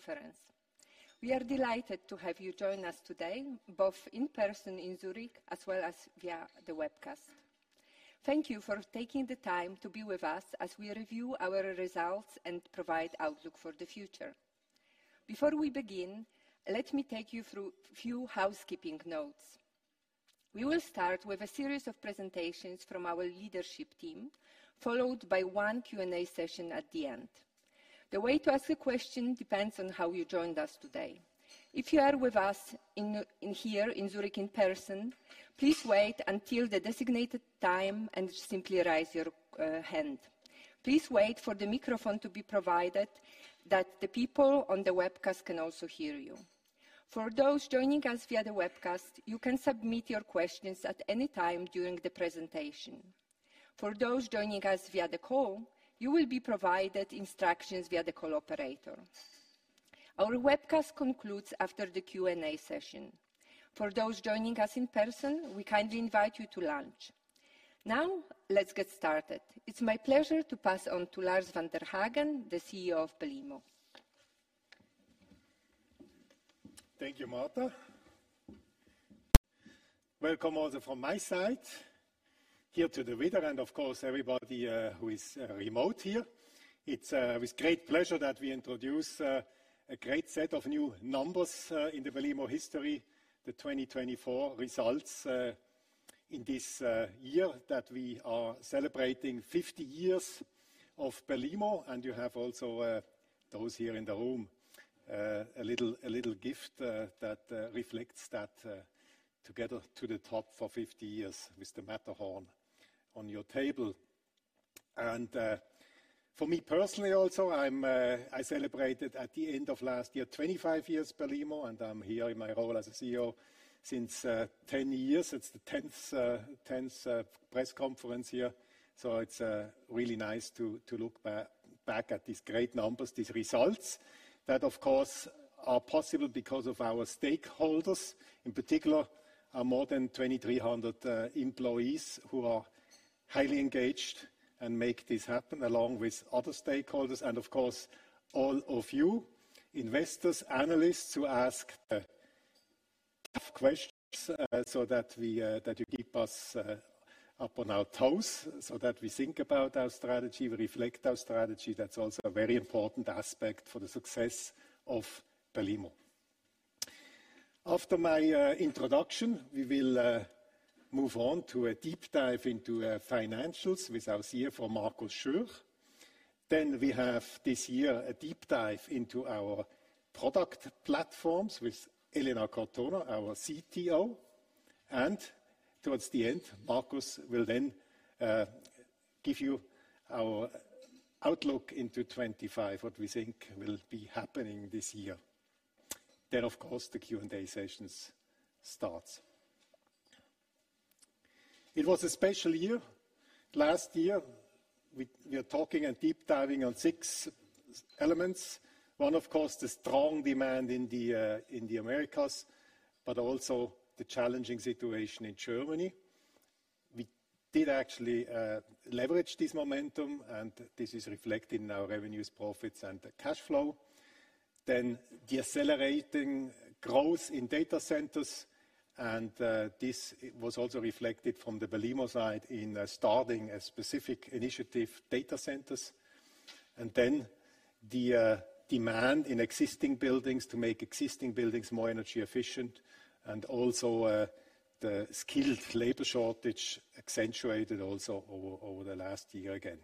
Welcome to Belimo Holding AG's 2024 Analyst and Investor Conference. We are delighted to have you join us today, both in person in Zurich as well as via the webcast. Thank you for taking the time to be with us as we review our results and provide outlook for the future. Before we begin, let me take you through a few housekeeping notes. We will start with a series of presentations from our leadership team, followed by one Q&A session at the end. The way to ask a question depends on how you joined us today. If you are with us here in Zurich in person, please wait until the designated time and simply raise your hand. Please wait for the microphone to be provided so that the people on the webcast can also hear you. For those joining us via the webcast, you can submit your questions at any time during the presentation. For those joining us via the call, you will be provided instructions via the call operator. Our webcast concludes after the Q&A session. For those joining us in person, we kindly invite you to lunch. Now, let's get started. It's my pleasure to pass on to Lars van der Haegen, the CEO of Belimo. Thank you, Marta. Welcome also from my side here to the room and, of course, everybody who is remote here. It's with great pleasure that we introduce a great set of new numbers in the Belimo history, the 2024 results in this year that we are celebrating 50 years of Belimo. And you have also, those here in the room, a little gift that reflects that together to the top for 50 years with the Matterhorn on your table. And for me personally also, I celebrated at the end of last year 25 years Belimo, and I'm here in my role as a CEO since 10 years. It's the 10th press conference here. So it's really nice to look back at these great numbers, these results that, of course, are possible because of our stakeholders. In particular, our more than 2,300 employees who are highly engaged and make this happen along with other stakeholders. And, of course, all of you investors, analysts who ask tough questions so that you keep us up on our toes, so that we think about our strategy, we reflect our strategy. That's also a very important aspect for the success of Belimo. After my introduction, we will move on to a deep dive into financials with our CFO, Markus Schürch. Then we have this year a deep dive into our product platforms with Elena Cortona, our CTO. And towards the end, Markus will then give you our outlook into 2025, what we think will be happening this year. Then, of course, the Q&A sessions start. It was a special year. Last year, we are talking and deep diving on six elements. One, of course, the strong demand in the Americas, but also the challenging situation in Germany. We did actually leverage this momentum, and this is reflected in our revenues, profits, and cash flow, then the accelerating growth in data centers, and this was also reflected from the Belimo side in starting a specific initiative, data centers, and then the demand in existing buildings to make existing buildings more energy efficient, and also the skilled labor shortage accentuated also over the last year again,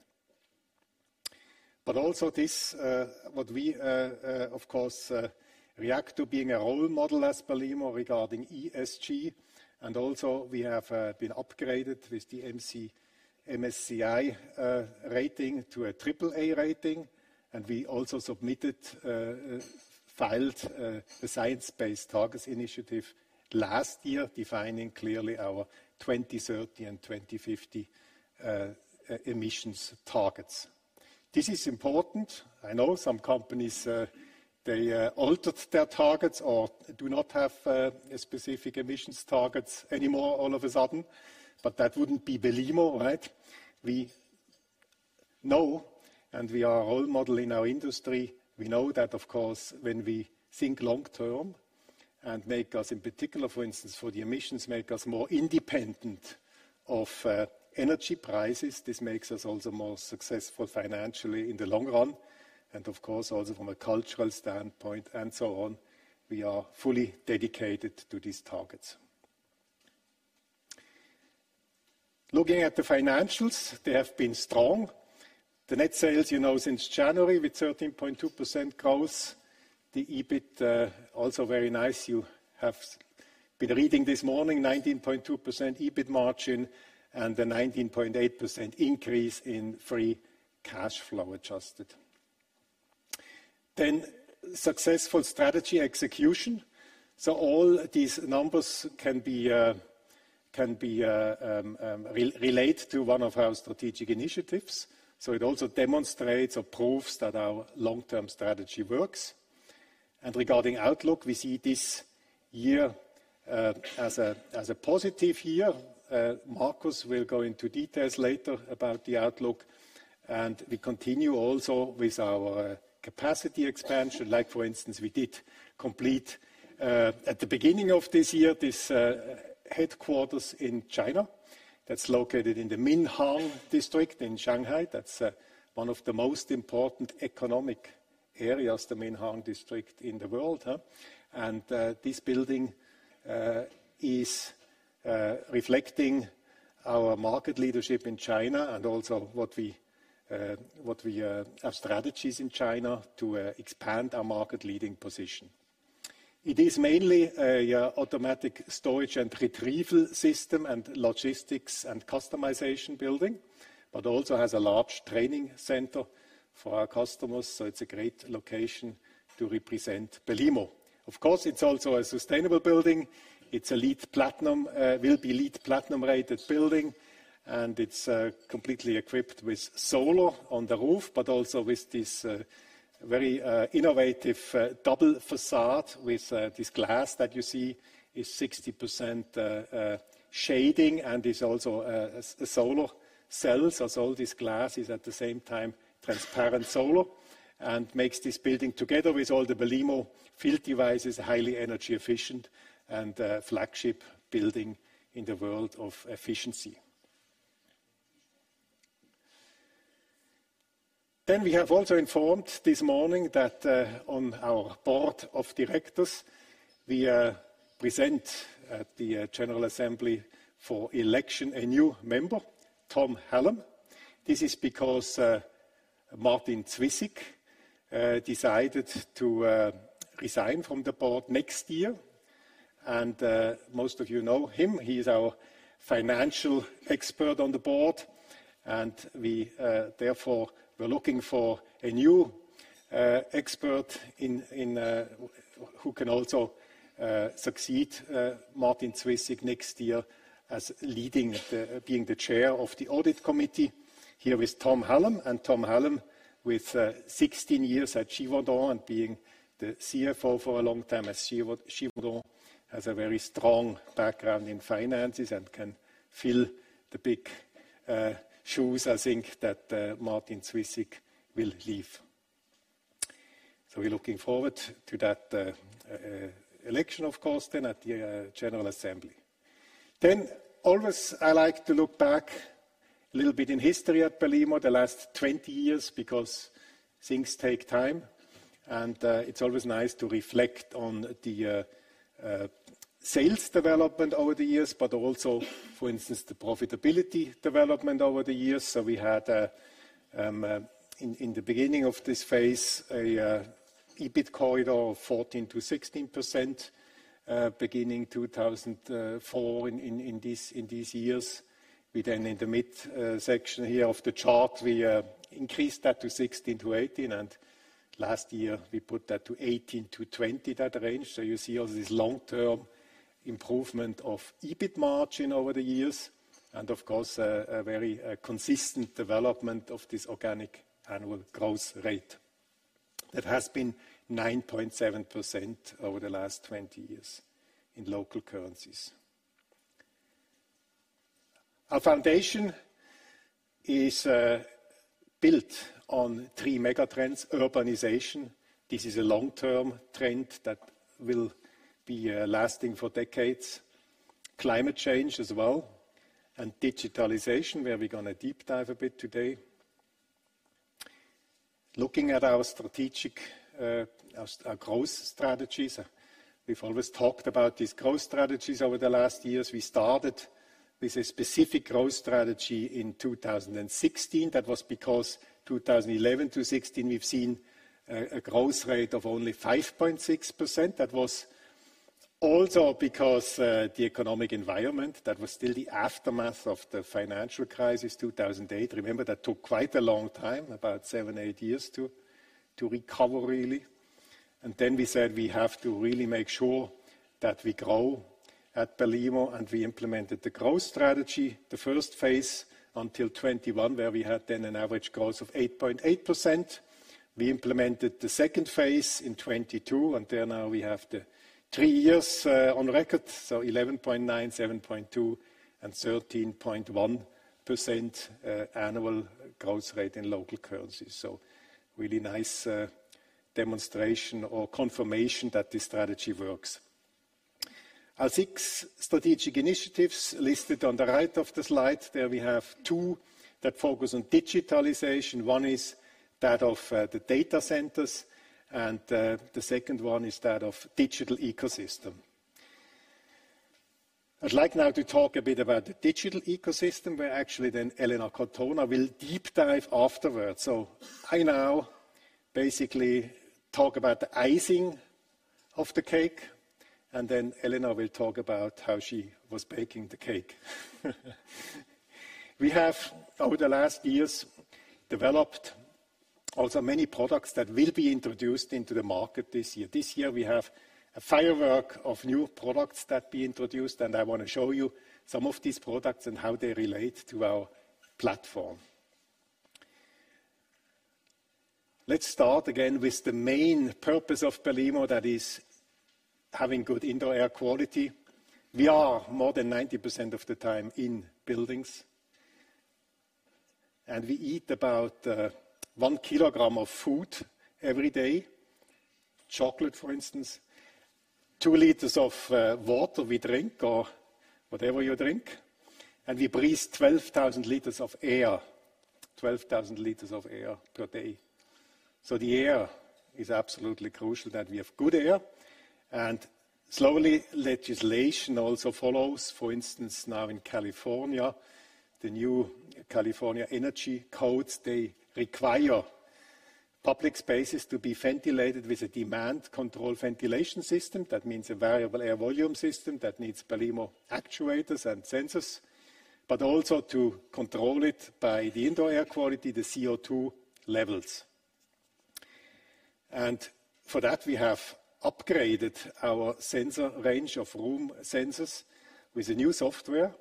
but also this, what we, of course, react to being a role model as Belimo regarding ESG, and also we have been upgraded with the MSCI rating to a triple-A rating, and we also submitted, filed a Science Based Targets initiative last year, defining clearly our 2030 and 2050 emissions targets. This is important. I know some companies, they altered their targets or do not have specific emissions targets anymore all of a sudden, but that wouldn't be Belimo, right? We know, and we are a role model in our industry. We know that, of course, when we think long term and make us, in particular, for instance, for the emissions, make us more independent of energy prices, this makes us also more successful financially in the long run. And, of course, also from a cultural standpoint and so on, we are fully dedicated to these targets. Looking at the financials, they have been strong. The net sales, you know, since January with 13.2% growth. The EBIT, also very nice. You have been reading this morning, 19.2% EBIT margin and a 19.8% increase in free cash flow adjusted. Then successful strategy execution. So all these numbers can be related to one of our strategic initiatives, so it also demonstrates or proves that our long-term strategy works, and regarding outlook, we see this year as a positive year. Markus will go into details later about the outlook, and we continue also with our capacity expansion, like, for instance, we did complete at the beginning of this year, this headquarters in China that's located in the Minhang District in Shanghai. That's one of the most important economic areas, the Minhang District in the world, and this building is reflecting our market leadership in China and also what we have strategies in China to expand our market leading position. It is mainly an automatic storage and retrieval system and logistics and customization building, but also has a large training center for our customers, so it's a great location to represent Belimo. Of course, it's also a sustainable building. It's a LEED Platinum, will be LEED Platinum rated building. And it's completely equipped with solar on the roof, but also with this very innovative double façade with this glass that you see is 60% shading and is also solar cells. So all this glass is at the same time transparent solar and makes this building together with all the Belimo field devices highly energy efficient and flagship building in the world of efficiency. Then we have also informed this morning that on our board of directors, we present at the General Assembly for election a new member, Tom Hallam. This is because Martin Zwyssig decided to resign from the board next year. And most of you know him. He is our financial expert on the board. We therefore were looking for a new expert who can also succeed Martin Zwyssig next year as leading, being the chair of the audit committee here with Tom Hallam. Tom Hallam with 16 years at Givaudan and being the CFO for a long time at Givaudan has a very strong background in finances and can fill the big shoes. I think that Martin Zwyssig will leave. We're looking forward to that election, of course, then at the General Assembly. Always I like to look back a little bit in history at Belimo the last 20 years because things take time. It's always nice to reflect on the sales development over the years, but also, for instance, the profitability development over the years. We had in the beginning of this phase an EBIT corridor of 14%-16% beginning 2004 in these years. We then in the mid section here of the chart, we increased that to 16%-18%. And last year we put that to 18%-20% that range. So you see this long-term improvement of EBIT margin over the years. And of course, a very consistent development of this organic annual growth rate that has been 9.7% over the last 20 years in local currencies. Our foundation is built on three Megatrends: Urbanization. This is a long-term trend that will be lasting for decades. Climate Change as well. And Digitalization, where we're going to deep dive a bit today. Looking at our strategic, our growth strategies, we've always talked about these growth strategies over the last years. We started with a specific growth strategy in 2016. That was because 2011 to 2016, we've seen a growth rate of only 5.6%. That was also because the economic environment, that was still the aftermath of the financial crisis in 2008. Remember, that took quite a long time, about seven, eight years to recover really, and then we said we have to really make sure that we grow at Belimo and we implemented the growth strategy, the first phase until 2021, where we had then an average growth of 8.8%. We implemented the second phase in 2022, and then now we have the three years on record, so 11.9%, 7.2%, and 13.1% annual growth rate in local currencies. Really nice demonstration or confirmation that this strategy works. Our six strategic initiatives listed on the right of the slide, there we have two that focus on digitalization. One is that of the data centers and the second one is that of digital ecosystem. I'd like now to talk a bit about the digital ecosystem, where actually then Elena Cortona will deep dive afterwards. So I now basically talk about the icing of the cake and then Elena will talk about how she was baking the cake. We have over the last years developed also many products that will be introduced into the market this year. This year we have a firework of new products that will be introduced and I want to show you some of these products and how they relate to our platform. Let's start again with the main purpose of Belimo, that is having good indoor air quality. We are more than 90% of the time in buildings. And we eat about one kilogram of food every day. Chocolate, for instance. Two liters of water we drink or whatever you drink. We breathe 12,000 liters of air, 12,000 liters of air per day. So the air is absolutely crucial that we have good air. And slowly legislation also follows. For instance, now in California, the new California energy codes, they require public spaces to be ventilated with a demand control ventilation system. That means a variable air volume system that needs Belimo actuators and sensors, but also to control it by the indoor air quality, the CO2 levels. And for that, we have upgraded our sensor range of room sensors with a new software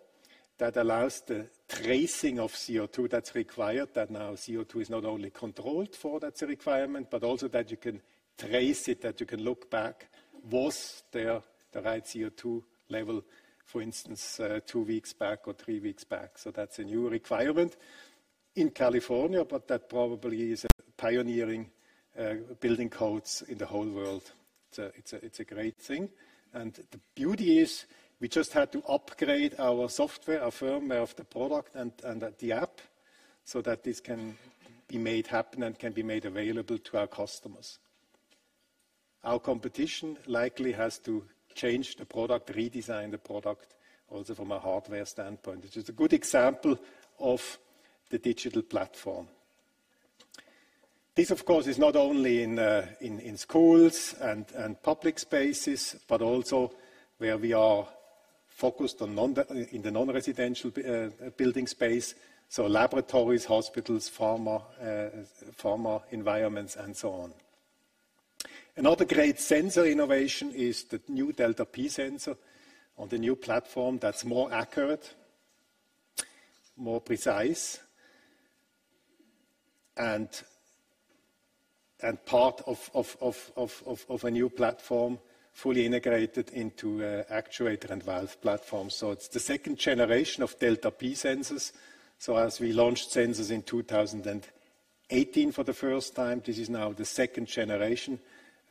that allows the tracing of CO2 that's required, that now CO2 is not only controlled for that requirement, but also that you can trace it, that you can look back, was there the right CO2 level, for instance, two weeks back or three weeks back. So that's a new requirement in California, but that probably is pioneering building codes in the whole world. It's a great thing. And the beauty is we just had to upgrade our software, our firmware, of the product and the app so that this can be made happen and can be made available to our customers. Our competition likely has to change the product, redesign the product also from a hardware standpoint, which is a good example of the digital platform. This, of course, is not only in schools and public spaces, but also where we are focused in the non-residential building space. So laboratories, hospitals, pharma environments, and so on. Another great sensor innovation is the new Delta P sensor on the new platform that's more accurate, more precise, and part of a new platform fully integrated into an actuator and valve platform. So it's the second generation of Delta P sensors. So as we launched sensors in 2018 for the first time, this is now the second generation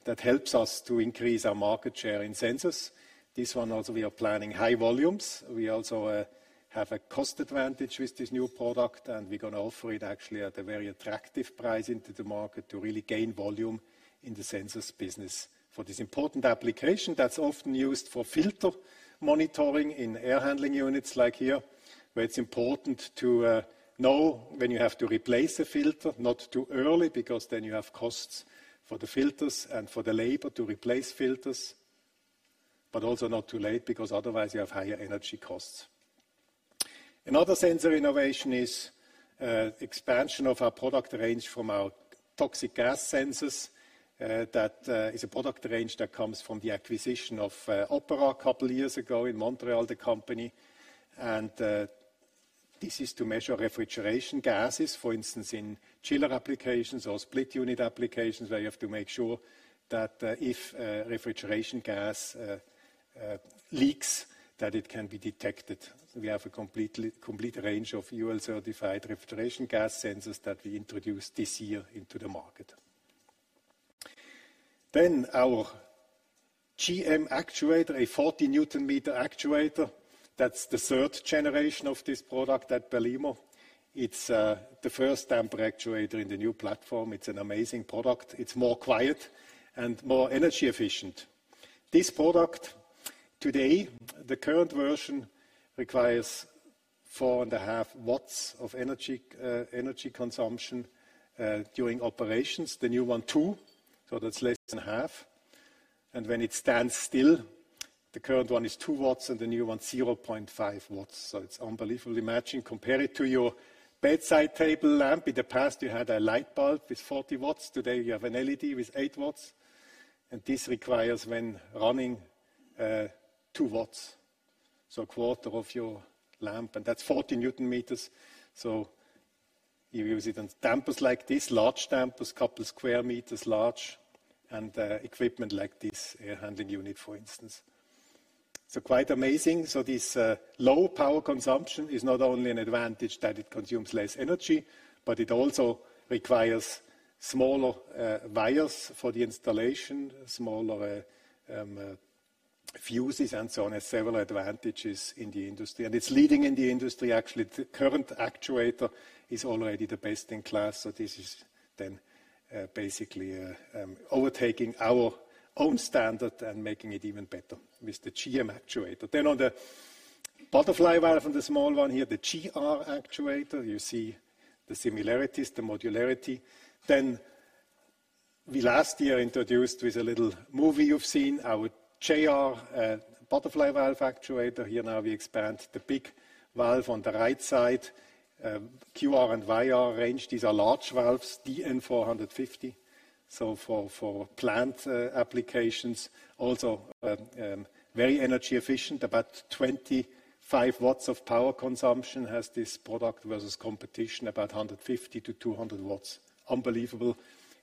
that helps us to increase our market share in sensors. This one also we are planning high volumes. We also have a cost advantage with this new product and we're going to offer it actually at a very attractive price into the market to really gain volume in the sensors business for this important application that's often used for filter monitoring in air handling units like here, where it's important to know when you have to replace a filter, not too early because then you have costs for the filters and for the labor to replace filters, but also not too late because otherwise you have higher energy costs. Another sensor innovation is expansion of our product range from our toxic gas sensors. That is a product range that comes from the acquisition of Opera a couple of years ago in Montreal, the company. This is to measure refrigeration gases, for instance, in chiller applications or split unit applications where you have to make sure that if refrigeration gas leaks, that it can be detected. We have a complete range of UL certified refrigeration gas sensors that we introduced this year into the market. Then our GM actuator, a 40 Newton meter actuator. That's the third generation of this product at Belimo. It's the first damper actuator in the new platform. It's an amazing product. It's more quiet and more energy efficient. This product today, the current version requires four and a half watts of energy consumption during operations. The new one two, so that's less than half. And when it stands still, the current one is two watts and the new one 0.5 watts. So it's unbelievably matching. Compare it to your bedside table lamp. In the past, you had a light bulb with 40 watts. Today, you have an LED with eight watts. And this requires when running two watts, so a quarter of your lamp, and that's 40 Newton meters. So you use it on dampers like this, large dampers, couple square meters large, and equipment like this air handling unit, for instance. So quite amazing. So this low power consumption is not only an advantage that it consumes less energy, but it also requires smaller wires for the installation, smaller fuses and so on, several advantages in the industry. And it's leading in the industry. Actually, the current actuator is already the best in class. This is then basically overtaking our own standard and making it even better with the GM actuator. On the butterfly valve and the small one here, the GR actuator, you see the similarities, the modularity. We last year introduced with a little movie you've seen our PR butterfly valve actuator. Here now we expand the big valve on the right side, QR and YR Range. These are large valves, DN450. For plant applications, also very energy efficient, about 25 watts of power consumption has this product versus competition, about 150-200 watts. Unbelievable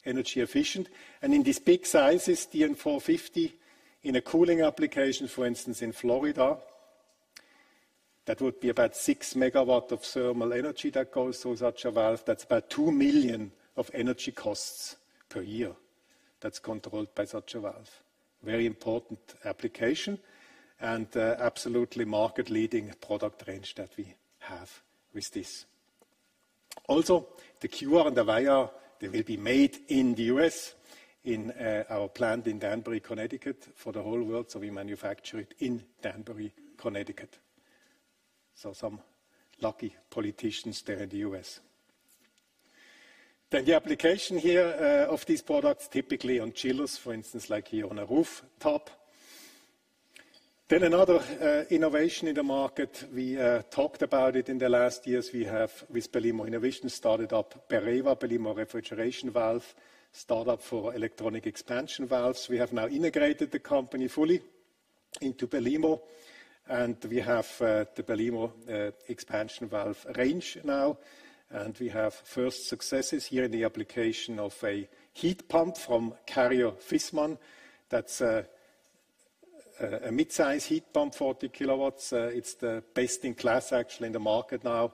energy efficient. In these big sizes, DN450 in a cooling application, for instance, in Florida, that would be about six megawatts of thermal energy that goes through such a valve. That's about $2 million of energy costs per year that's controlled by such a valve. Very important application and absolutely market leading product range that we have with this. Also, the QR and the YR, they will be made in the U.S. in our plant in Danbury, Connecticut for the whole world. So we manufacture it in Danbury, Connecticut. So some lucky politicians there in the U.S. Then the application here of these products typically on chillers, for instance, like here on a rooftop. Then another innovation in the market, we talked about it in the last years. We have with Belimo Innovation started up Bereva, Belimo Refrigeration Valve startup for electronic expansion valves. We have now integrated the company fully into Belimo and we have the Belimo expansion valve range now. And we have first successes here in the application of a heat pump from Carrier Viessmann. That's a mid-size heat pump, 40 kilowatts. It's the best in class actually in the market now.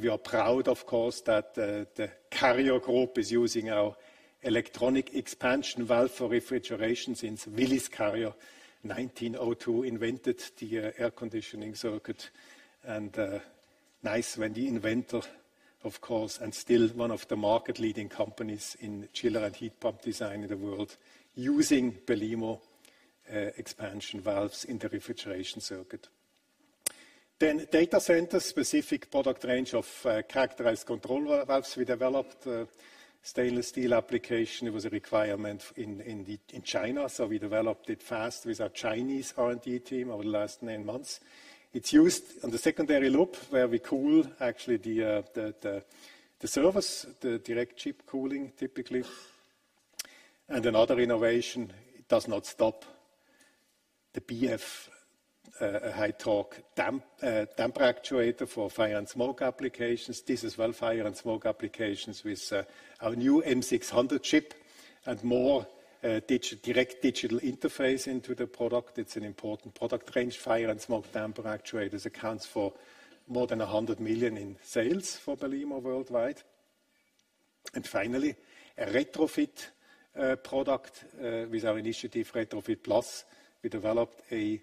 We are proud, of course, that the Carrier Group is using our electronic expansion valve for refrigeration since Willis Carrier 1902 invented the air conditioning circuit. It is nice when the inventor, of course, and still one of the market leading companies in chiller and heat pump design in the world using Belimo expansion valves in the refrigeration circuit. Then data center specific product range of characterized control valves we developed. Stainless steel application, it was a requirement in China. So we developed it fast with our Chinese R&D team over the last nine months. It is used on the secondary loop where we cool actually the servers, the direct chip cooling typically. Another innovation does not stop the BF high torque damper actuator for fire and smoke applications. This is for fire and smoke applications with our new M6 chip and more direct digital interface into the product. It's an important product range. Fire and smoke damper actuators accounts for more than 100 million in sales for Belimo worldwide. And finally, a retrofit product with our initiative RetroFIT+. We developed a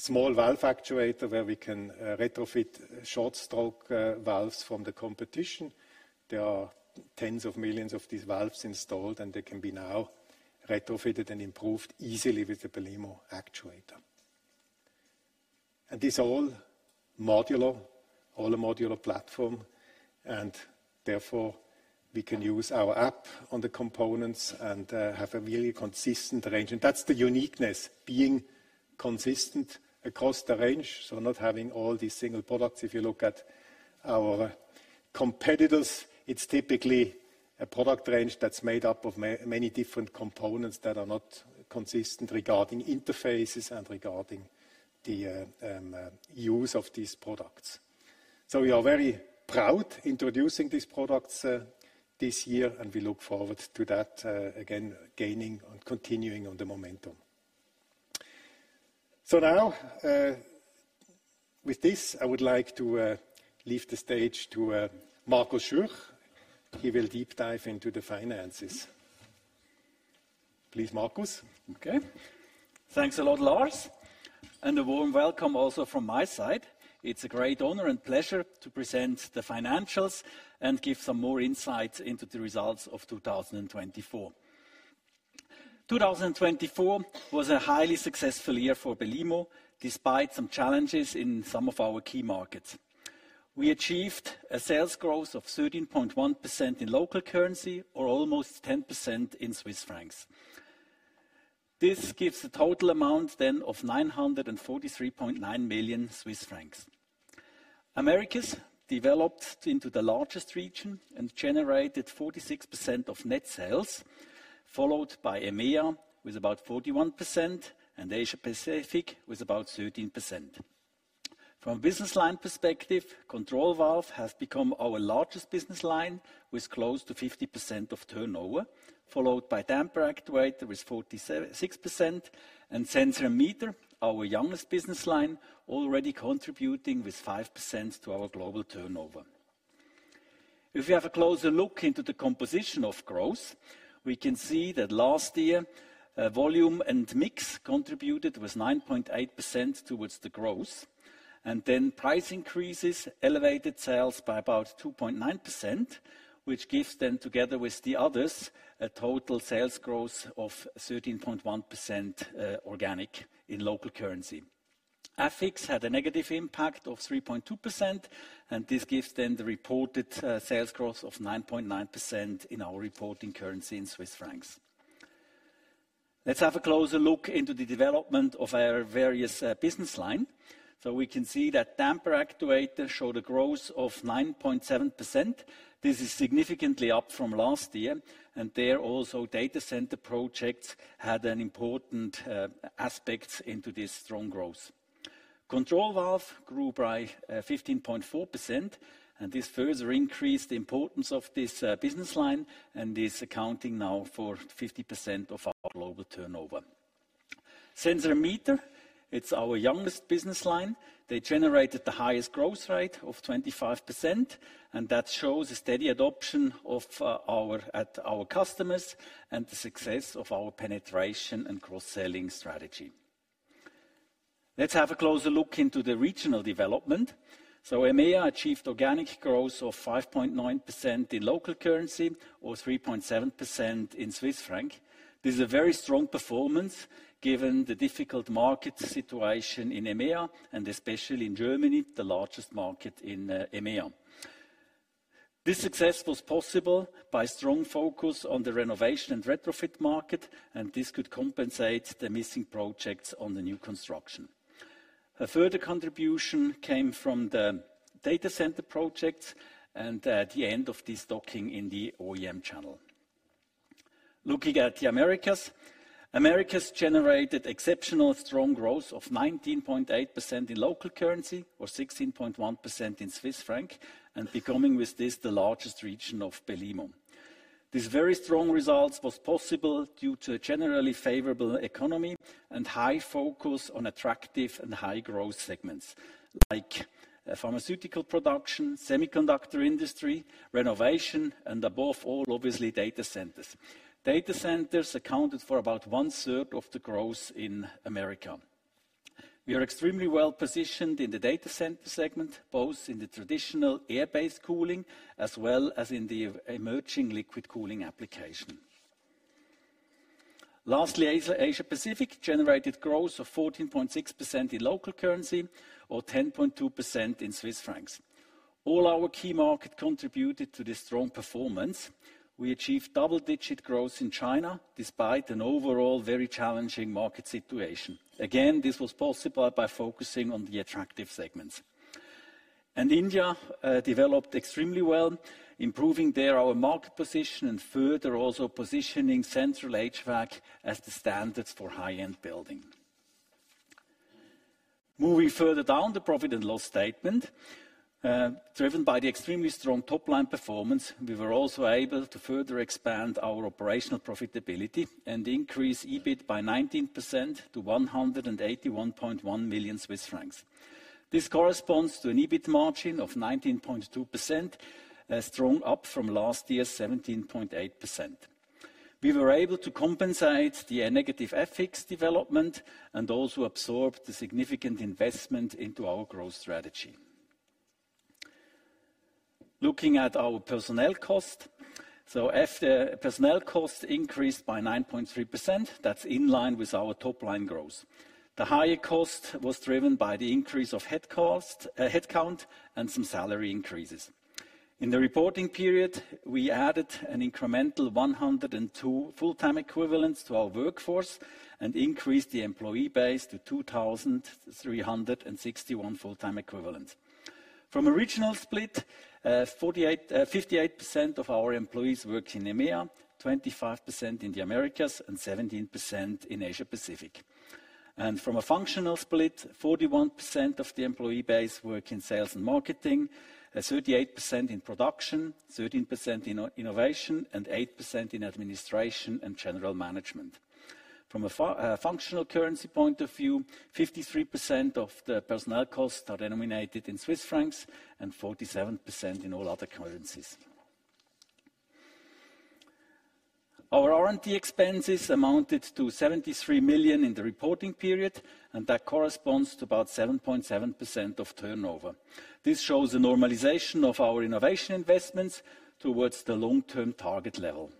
small valve actuator where we can retrofit short stroke valves from the competition. There are tens of millions of these valves installed and they can be now retrofitted and improved easily with the Belimo actuator. And it's all modular, all a modular platform. And therefore we can use our app on the components and have a really consistent range. And that's the uniqueness, being consistent across the range. So not having all these single products. If you look at our competitors, it's typically a product range that's made up of many different components that are not consistent regarding interfaces and regarding the use of these products. We are very proud introducing these products this year and we look forward to that again gaining and continuing on the momentum, so now with this, I would like to leave the stage to Markus Schürch. He will deep dive into the finances. Please, Markus. Okay. Thanks a lot, Lars, and a warm welcome also from my side. It's a great honor and pleasure to present the financials and give some more insights into the results of 2024. 2024 was a highly successful year for Belimo despite some challenges in some of our key markets. We achieved a sales growth of 13.1% in local currency or almost 10% in Swiss francs. This gives the total amount then of 943.9 million Swiss francs. Americas developed into the largest region and generated 46% of net sales, followed by EMEA with about 41% and Asia Pacific with about 13%. From a business line perspective, control valves have become our largest business line with close to 50% of turnover, followed by damper actuators with 46% and sensors, meters, our youngest business line, already contributing with 5% to our global turnover. If we have a closer look into the composition of growth, we can see that last year volume and mix contributed with 9.8% towards the growth. Then price increases elevated sales by about 2.9%, which gives then together with the others a total sales growth of 13.1% organic in local currency. FX had a negative impact of 3.2% and this gives then the reported sales growth of 9.9% in our reporting currency in Swiss francs. Let's have a closer look into the development of our various business lines. We can see that damper actuators showed a growth of 9.7%. This is significantly up from last year. And, there, also data center projects had an important aspect in this strong growth. Control valves grew by 15.4% and this further increased the importance of this business line and this now accounting for 50% of our global turnover. Sensors, meters, it's our youngest business line. They generated the highest growth rate of 25% and that shows a steady adoption of our customers and the success of our penetration and cross-selling strategy. Let's have a closer look into the regional development. So EMEA achieved organic growth of 5.9% in local currency or 3.7% in Swiss francs. This is a very strong performance given the difficult market situation in EMEA and especially in Germany, the largest market in EMEA. This success was possible by strong focus on the renovation and retrofit market and this could compensate the missing projects on the new construction. A further contribution came from the data center projects and at the end of this uptick in the OEM channel. Looking at the Americas, Americas generated exceptionally strong growth of 19.8% in local currency or 16.1% in Swiss francs and becoming with this the largest region of Belimo. These very strong results were possible due to a generally favorable economy and high focus on attractive and high growth segments like pharmaceutical production, semiconductor industry, renovation, and above all, obviously data centers. Data centers accounted for about one third of the growth in Americas. We are extremely well positioned in the data center segment, both in the traditional air-based cooling as well as in the emerging liquid cooling application. Lastly, Asia Pacific generated growth of 14.6% in local currency or 10.2% in Swiss francs. All our key markets contributed to this strong performance. We achieved double-digit growth in China despite an overall very challenging market situation. Again, this was possible by focusing on the attractive segments. And India developed extremely well, improving there our market position and further also positioning central HVAC as the standards for high-end building. Moving further down the profit and loss statement, driven by the extremely strong top-line performance, we were also able to further expand our operational profitability and increase EBIT by 19% to 181.1 million Swiss francs. This corresponds to an EBIT margin of 19.2%, a strong up from last year's 17.8%. We were able to compensate the negative FX development and also absorbed the significant investment into our growth strategy. Looking at our personnel cost, so personnel cost increased by 9.3%. That's in line with our top-line growth. The higher cost was driven by the increase of headcount and some salary increases. In the reporting period, we added an incremental 102 full-time equivalents to our workforce and increased the employee base to 2,361 full-time equivalents. From a regional split, 58% of our employees work in EMEA, 25% in the Americas and 17% in Asia Pacific. From a functional split, 41% of the employee base work in sales and marketing, 38% in production, 13% in innovation and 8% in administration and general management. From a functional currency point of view, 53% of the personnel costs are denominated in CHF and 47% in all other currencies. Our R&D expenses amounted to 73 million in the reporting period and that corresponds to about 7.7% of turnover. This shows a normalization of our innovation investments towards the long-term target level.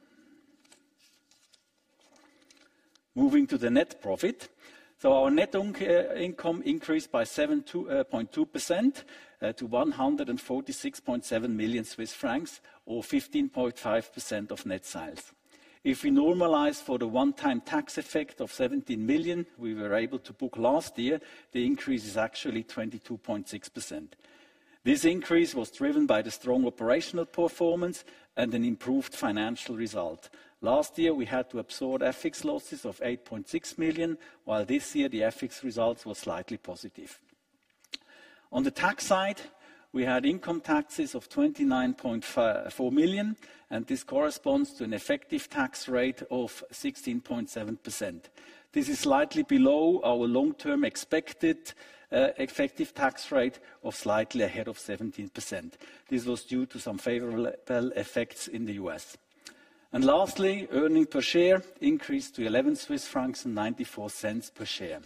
Moving to the net profit, so our net income increased by 7.2% to 146.7 million Swiss francs or 15.5% of net sales. If we normalize for the one-time tax effect of 17 million, we were able to book last year, the increase is actually 22.6%. This increase was driven by the strong operational performance and an improved financial result. Last year, we had to absorb FX losses of 8.6 million, while this year the FX results were slightly positive. On the tax side, we had income taxes of 29.4 million and this corresponds to an effective tax rate of 16.7%. This is slightly below our long-term expected effective tax rate of slightly ahead of 17%. This was due to some favorable effects in the U.S. Lastly, earnings per share increased to 11.94 Swiss francs per share.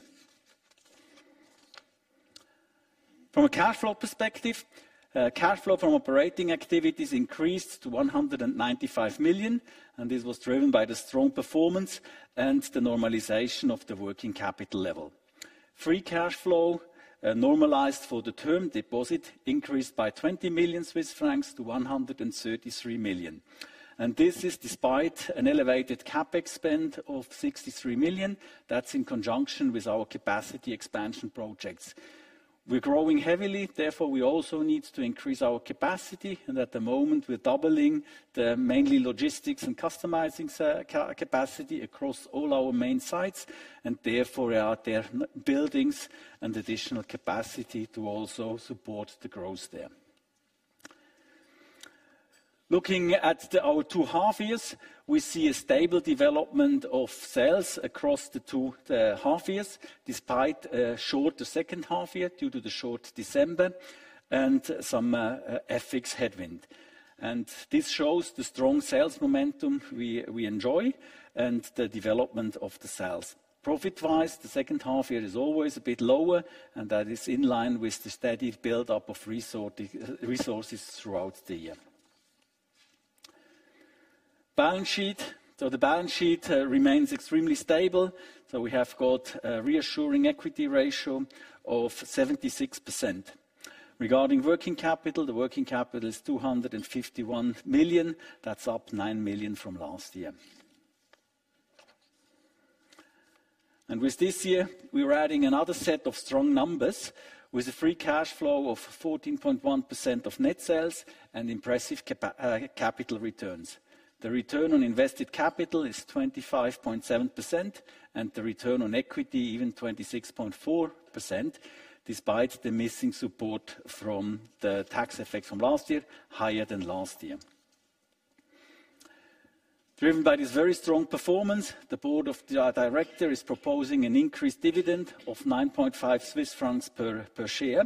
From a cash flow perspective, cash flow from operating activities increased to 195 million and this was driven by the strong performance and the normalization of the working capital level. Free cash flow normalized for the term deposit increased by 20 million Swiss francs to 133 million, and this is despite an elevated CapEx of 63 million. That's in conjunction with our capacity expansion projects. We're growing heavily. Therefore, we also need to increase our capacity and at the moment we're doubling the mainly logistics and customizing capacity across all our main sites and therefore there are buildings and additional capacity to also support the growth there. Looking at our two half years, we see a stable development of sales across the two half years despite a short second half year due to the short December and some FX headwind, and this shows the strong sales momentum we enjoy and the development of the sales. Profit-wise, the second half year is always a bit lower and that is in line with the steady build-up of resources throughout the year. The balance sheet remains extremely stable. We have got a reassuring equity ratio of 76%. Regarding working capital, the working capital is 251 million. That's up nine million from last year. With this year, we were adding another set of strong numbers with a free cash flow of 14.1% of net sales and impressive capital returns. The return on invested capital is 25.7% and the return on equity even 26.4% despite the missing support from the tax effects from last year, higher than last year. Driven by this very strong performance, the Board of Directors is proposing an increased dividend of 9.5 Swiss francs per share.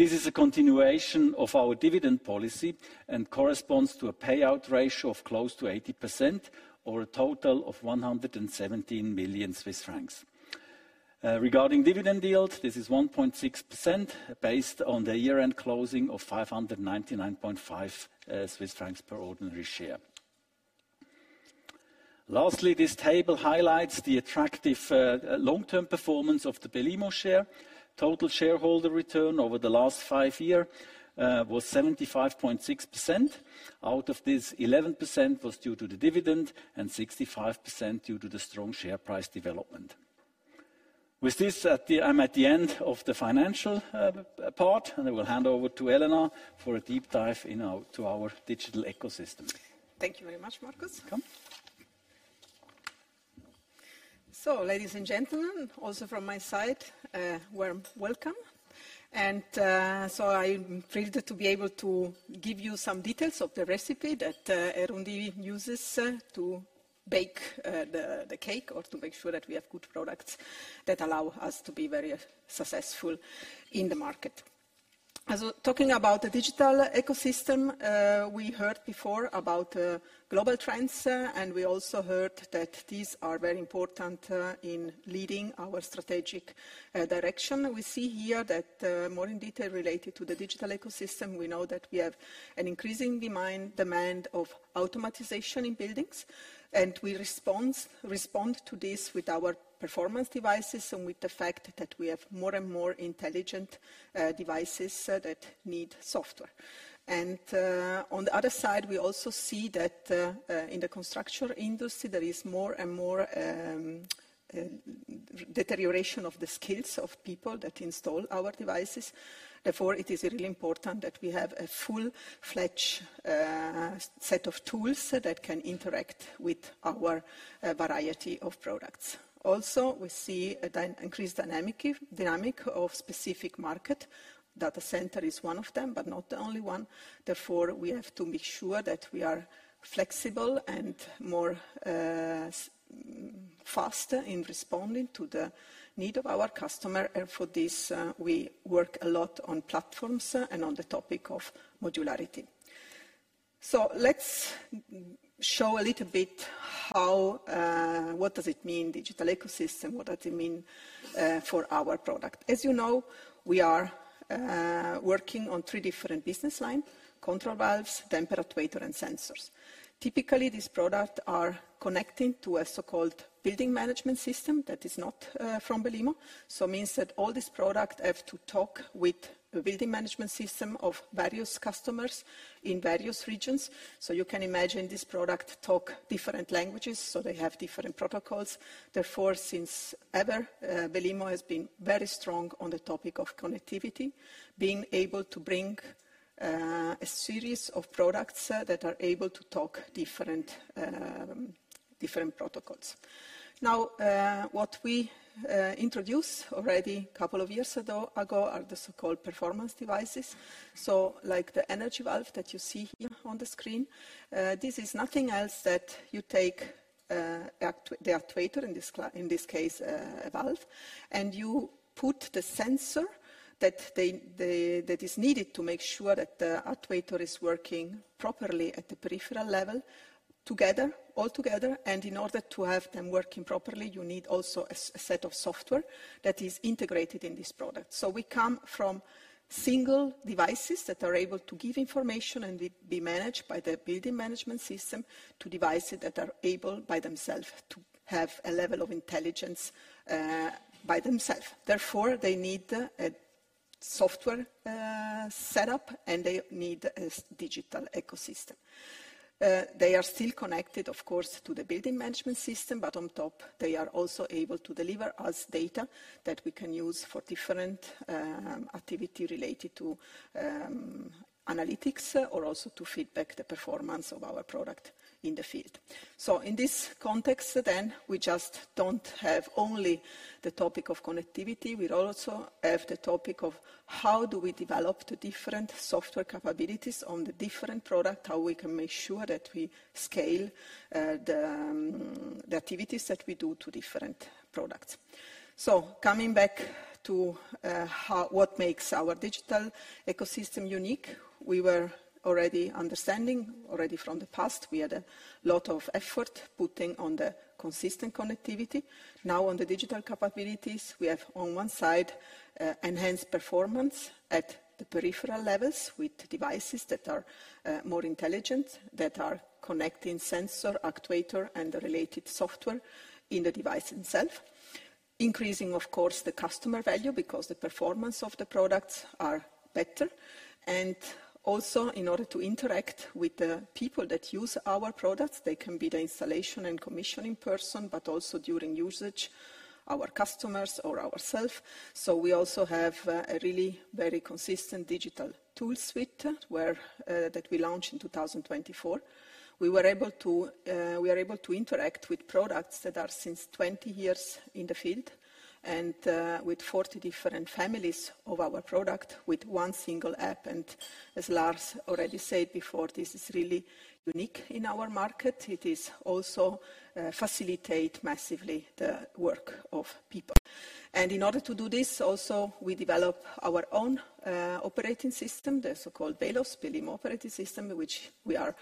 This is a continuation of our dividend policy and corresponds to a payout ratio of close to 80% or a total of 117 million Swiss francs. Regarding dividend yield, this is 1.6% based on the year-end closing of 599.5 Swiss francs per ordinary share. Lastly, this table highlights the attractive long-term performance of the Belimo share. Total shareholder return over the last five years was 75.6%. Out of this, 11% was due to the dividend and 65% due to the strong share price development. With this, I'm at the end of the financial part and I will hand over to Elena for a deep dive into our digital ecosystem. Thank you very much, Markus, so ladies and gentlemen, also from my side, warm welcome, and so I'm thrilled to be able to give you some details of the recipe that our R&D uses to bake the cake or to make sure that we have good products that allow us to be very successful in the market. Talking about the digital ecosystem, we heard before about global trends and we also heard that these are very important in leading our strategic direction. We see here that more in detail related to the digital ecosystem, we know that we have an increasing demand of automation in buildings and we respond to this with our performance devices and with the fact that we have more and more intelligent devices that need software. And on the other side, we also see that in the construction industry, there is more and more deterioration of the skills of people that install our devices. Therefore, it is really important that we have a full-fledged set of tools that can interact with our variety of products. Also, we see an increased dynamic of specific market. Data center is one of them, but not the only one. Therefore, we have to make sure that we are flexible and more fast in responding to the need of our customer. And for this, we work a lot on platforms and on the topic of modularity. So let's show a little bit how, what does it mean, digital ecosystem? What does it mean for our product? As you know, we are working on three different business lines: control valves, temperature, and sensors. Typically, these products are connecting to a so-called building management system that is not from Belimo. So it means that all this product has to talk with a building management system of various customers in various regions. So you can imagine this product talking different languages, so they have different protocols. Therefore, since ever, Belimo has been very strong on the topic of connectivity, being able to bring a series of products that are able to talk different protocols. Now, what we introduced already a couple of years ago are the so-called performance devices. So, like the energy valve that you see here on the screen, this is nothing else that you take the actuator, in this case, a valve, and you put the sensor that is needed to make sure that the actuator is working properly at the peripheral level together, all together. And in order to have them working properly, you need also a set of software that is integrated in this product. We come from single devices that are able to give information and be managed by the building management system to devices that are able by themselves to have a level of intelligence by themselves. Therefore, they need a software setup and they need a digital ecosystem. They are still connected, of course, to the building management system, but on top, they are also able to deliver us data that we can use for different activities related to analytics or also to feedback the performance of our product in the field. So in this context, then we just don't have only the topic of connectivity. We also have the topic of how do we develop the different software capabilities on the different products, how we can make sure that we scale the activities that we do to different products. So coming back to what makes our digital ecosystem unique, we were already understanding from the past. We had a lot of effort putting on the consistent connectivity. Now, on the digital capabilities, we have on one side enhanced performance at the peripheral levels with devices that are more intelligent, that are connecting sensor, actuator, and the related software in the device itself, increasing, of course, the customer value because the performance of the products is better. And also, in order to interact with the people that use our products, they can be the installation and commissioning person, but also during usage, our customers or ourselves. So we also have a really very consistent digital tool suite that we launched in 2024. We were able to interact with products that are since 20 years in the field and with 40 different families of our product with one single app. And as Lars already said before, this is really unique in our market. It is also facilitates massively the work of people. In order to do this, we also develop our own operating system, the so-called BELOS, Belimo operating system, which we are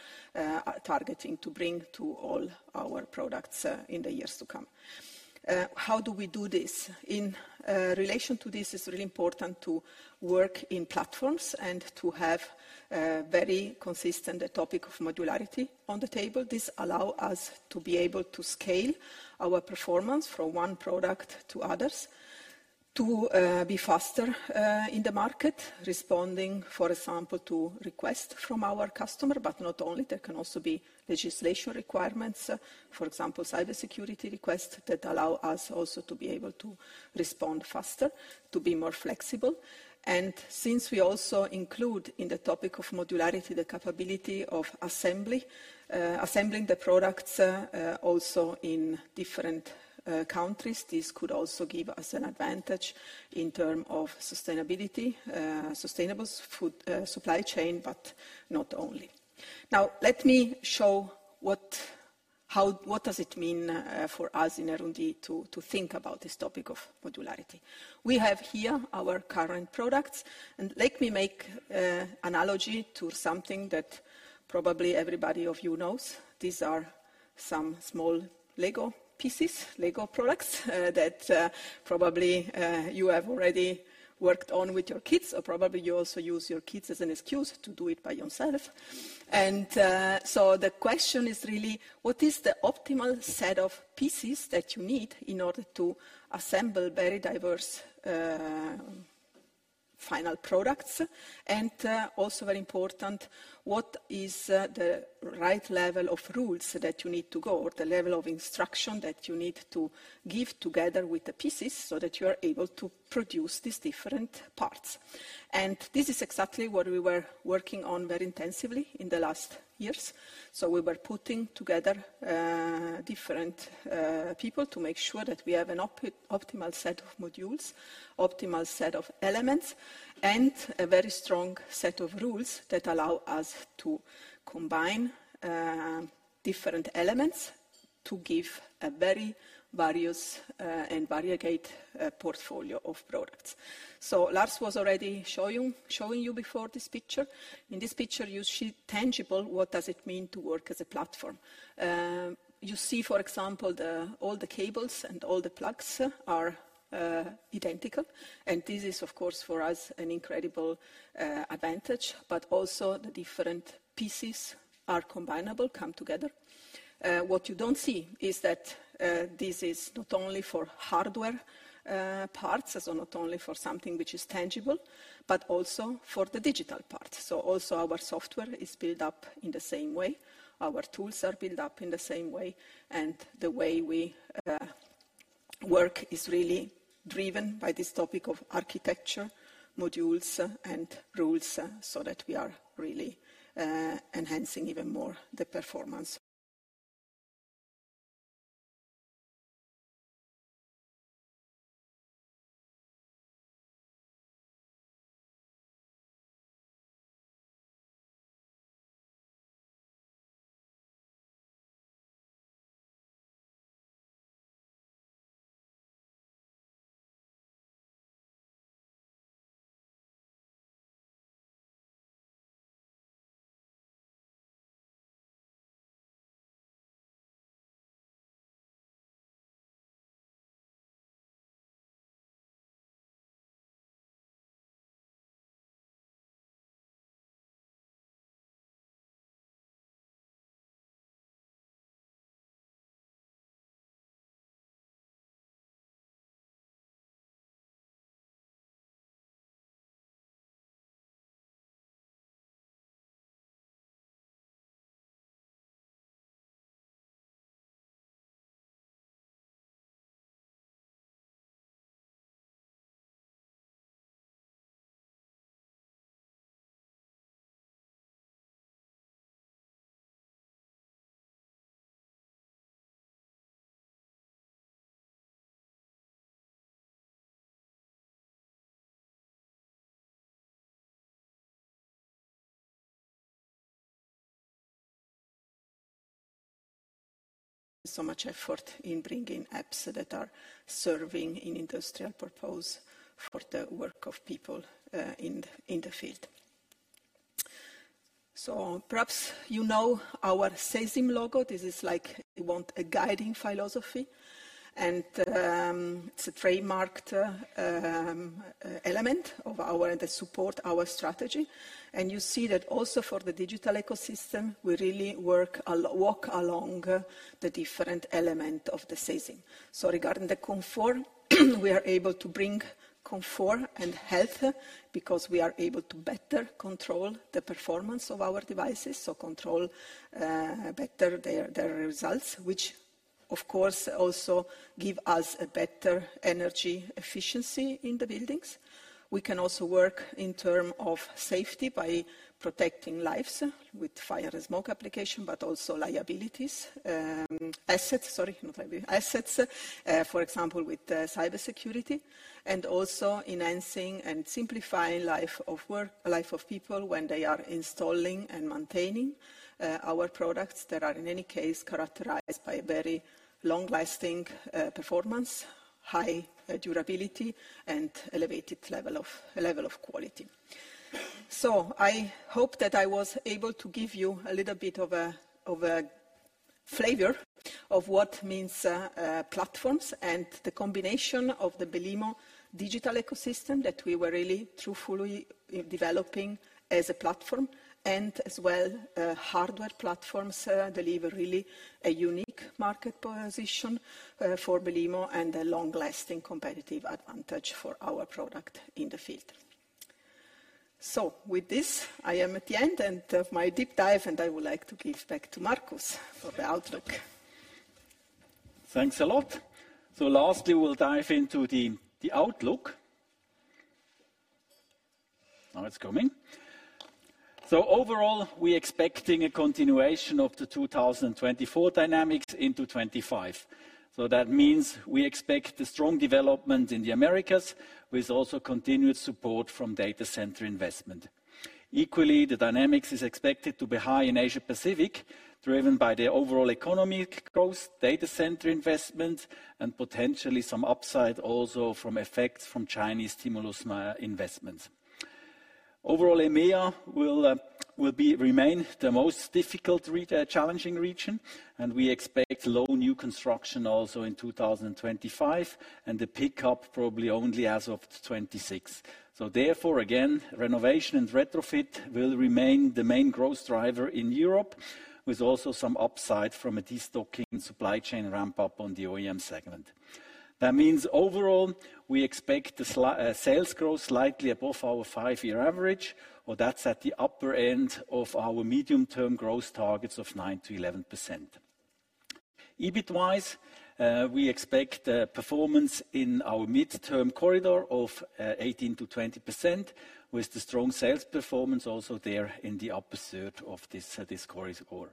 targeting to bring to all our products in the years to come. How do we do this? In relation to this, it's really important to work in platforms and to have a very consistent topic of modularity on the table. This allows us to be able to scale our performance from one product to others, to be faster in the market, responding, for example, to requests from our customers, but not only. There can also be legislation requirements, for example, cybersecurity requests that allow us also to be able to respond faster, to be more flexible. Since we also include in the topic of modularity the capability of assembling the products also in different countries, this could also give us an advantage in terms of sustainability, sustainable supply chain, but not only. Now, let me show what does it mean for us in R&D to think about this topic of modularity. We have here our current products. Let me make an analogy to something that probably everybody of you knows. These are some small Lego pieces, Lego products that probably you have already worked on with your kids, or probably you also use your kids as an excuse to do it by yourself. The question is really, what is the optimal set of pieces that you need in order to assemble very diverse final products? And also very important, what is the right level of rules that you need to go or the level of instruction that you need to give together with the pieces so that you are able to produce these different parts? And this is exactly what we were working on very intensively in the last years. So we were putting together different people to make sure that we have an optimal set of modules, optimal set of elements, and a very strong set of rules that allow us to combine different elements to give a very various and variegated portfolio of products. So Lars was already showing you before this picture. In this picture, you see tangible what does it mean to work as a platform. You see, for example, all the cables and all the plugs are identical. This is, of course, for us an incredible advantage, but also the different pieces are combinable, come together. What you don't see is that this is not only for hardware parts, so not only for something which is tangible, but also for the digital parts. So also our software is built up in the same way. Our tools are built up in the same way. And the way we work is really driven by this topic of architecture, modules, and rules so that we are really enhancing even more the performance. So much effort in bringing apps that are serving in industrial purpose for the work of people in the field. So perhaps you know our CESIM logo. This is like we want a guiding philosophy. And it's a trademarked element of our and support our strategy. And you see that also for the digital ecosystem, we really work along the different elements of the CESIM. So regarding the comfort, we are able to bring comfort and health because we are able to better control the performance of our devices, so control better their results, which of course also give us a better energy efficiency in the buildings. We can also work in terms of safety by protecting lives with fire and smoke application, but also liabilities, assets, sorry, not liabilities, assets, for example, with cybersecurity, and also enhancing and simplifying the life of people when they are installing and maintaining our products that are in any case characterized by a very long-lasting performance, high durability, and elevated level of quality. So, I hope that I was able to give you a little bit of a flavor of what means platforms and the combination of the Belimo digital ecosystem that we were really truthfully developing as a platform and as well hardware platforms that leave really a unique market position for Belimo and a long-lasting competitive advantage for our product in the field. So with this, I am at the end of my deep dive, and I would like to give back to Markus for the outlook. Thanks a lot. Lastly, we'll dive into the outlook. Now it's coming. Overall, we are expecting a continuation of the 2024 dynamics into 2025. That means we expect the strong development in the Americas with also continued support from data center investment. Equally, the dynamics is expected to be high in Asia Pacific, driven by the overall economic growth, data center investment, and potentially some upside also from effects from Chinese stimulus investments. Overall, EMEA will remain the most difficult, challenging region, and we expect low new construction also in 2025 and the pickup probably only as of 2026. So therefore, again, renovation and retrofit will remain the main growth driver in Europe with also some upside from a destocking supply chain ramp-up on the OEM segment. That means overall, we expect sales growth slightly above our five-year average, or that's at the upper end of our medium-term growth targets of 9%-11%. EBIT-wise, we expect performance in our midterm corridor of 18%-20% with the strong sales performance also there in the upper third of this scoring score.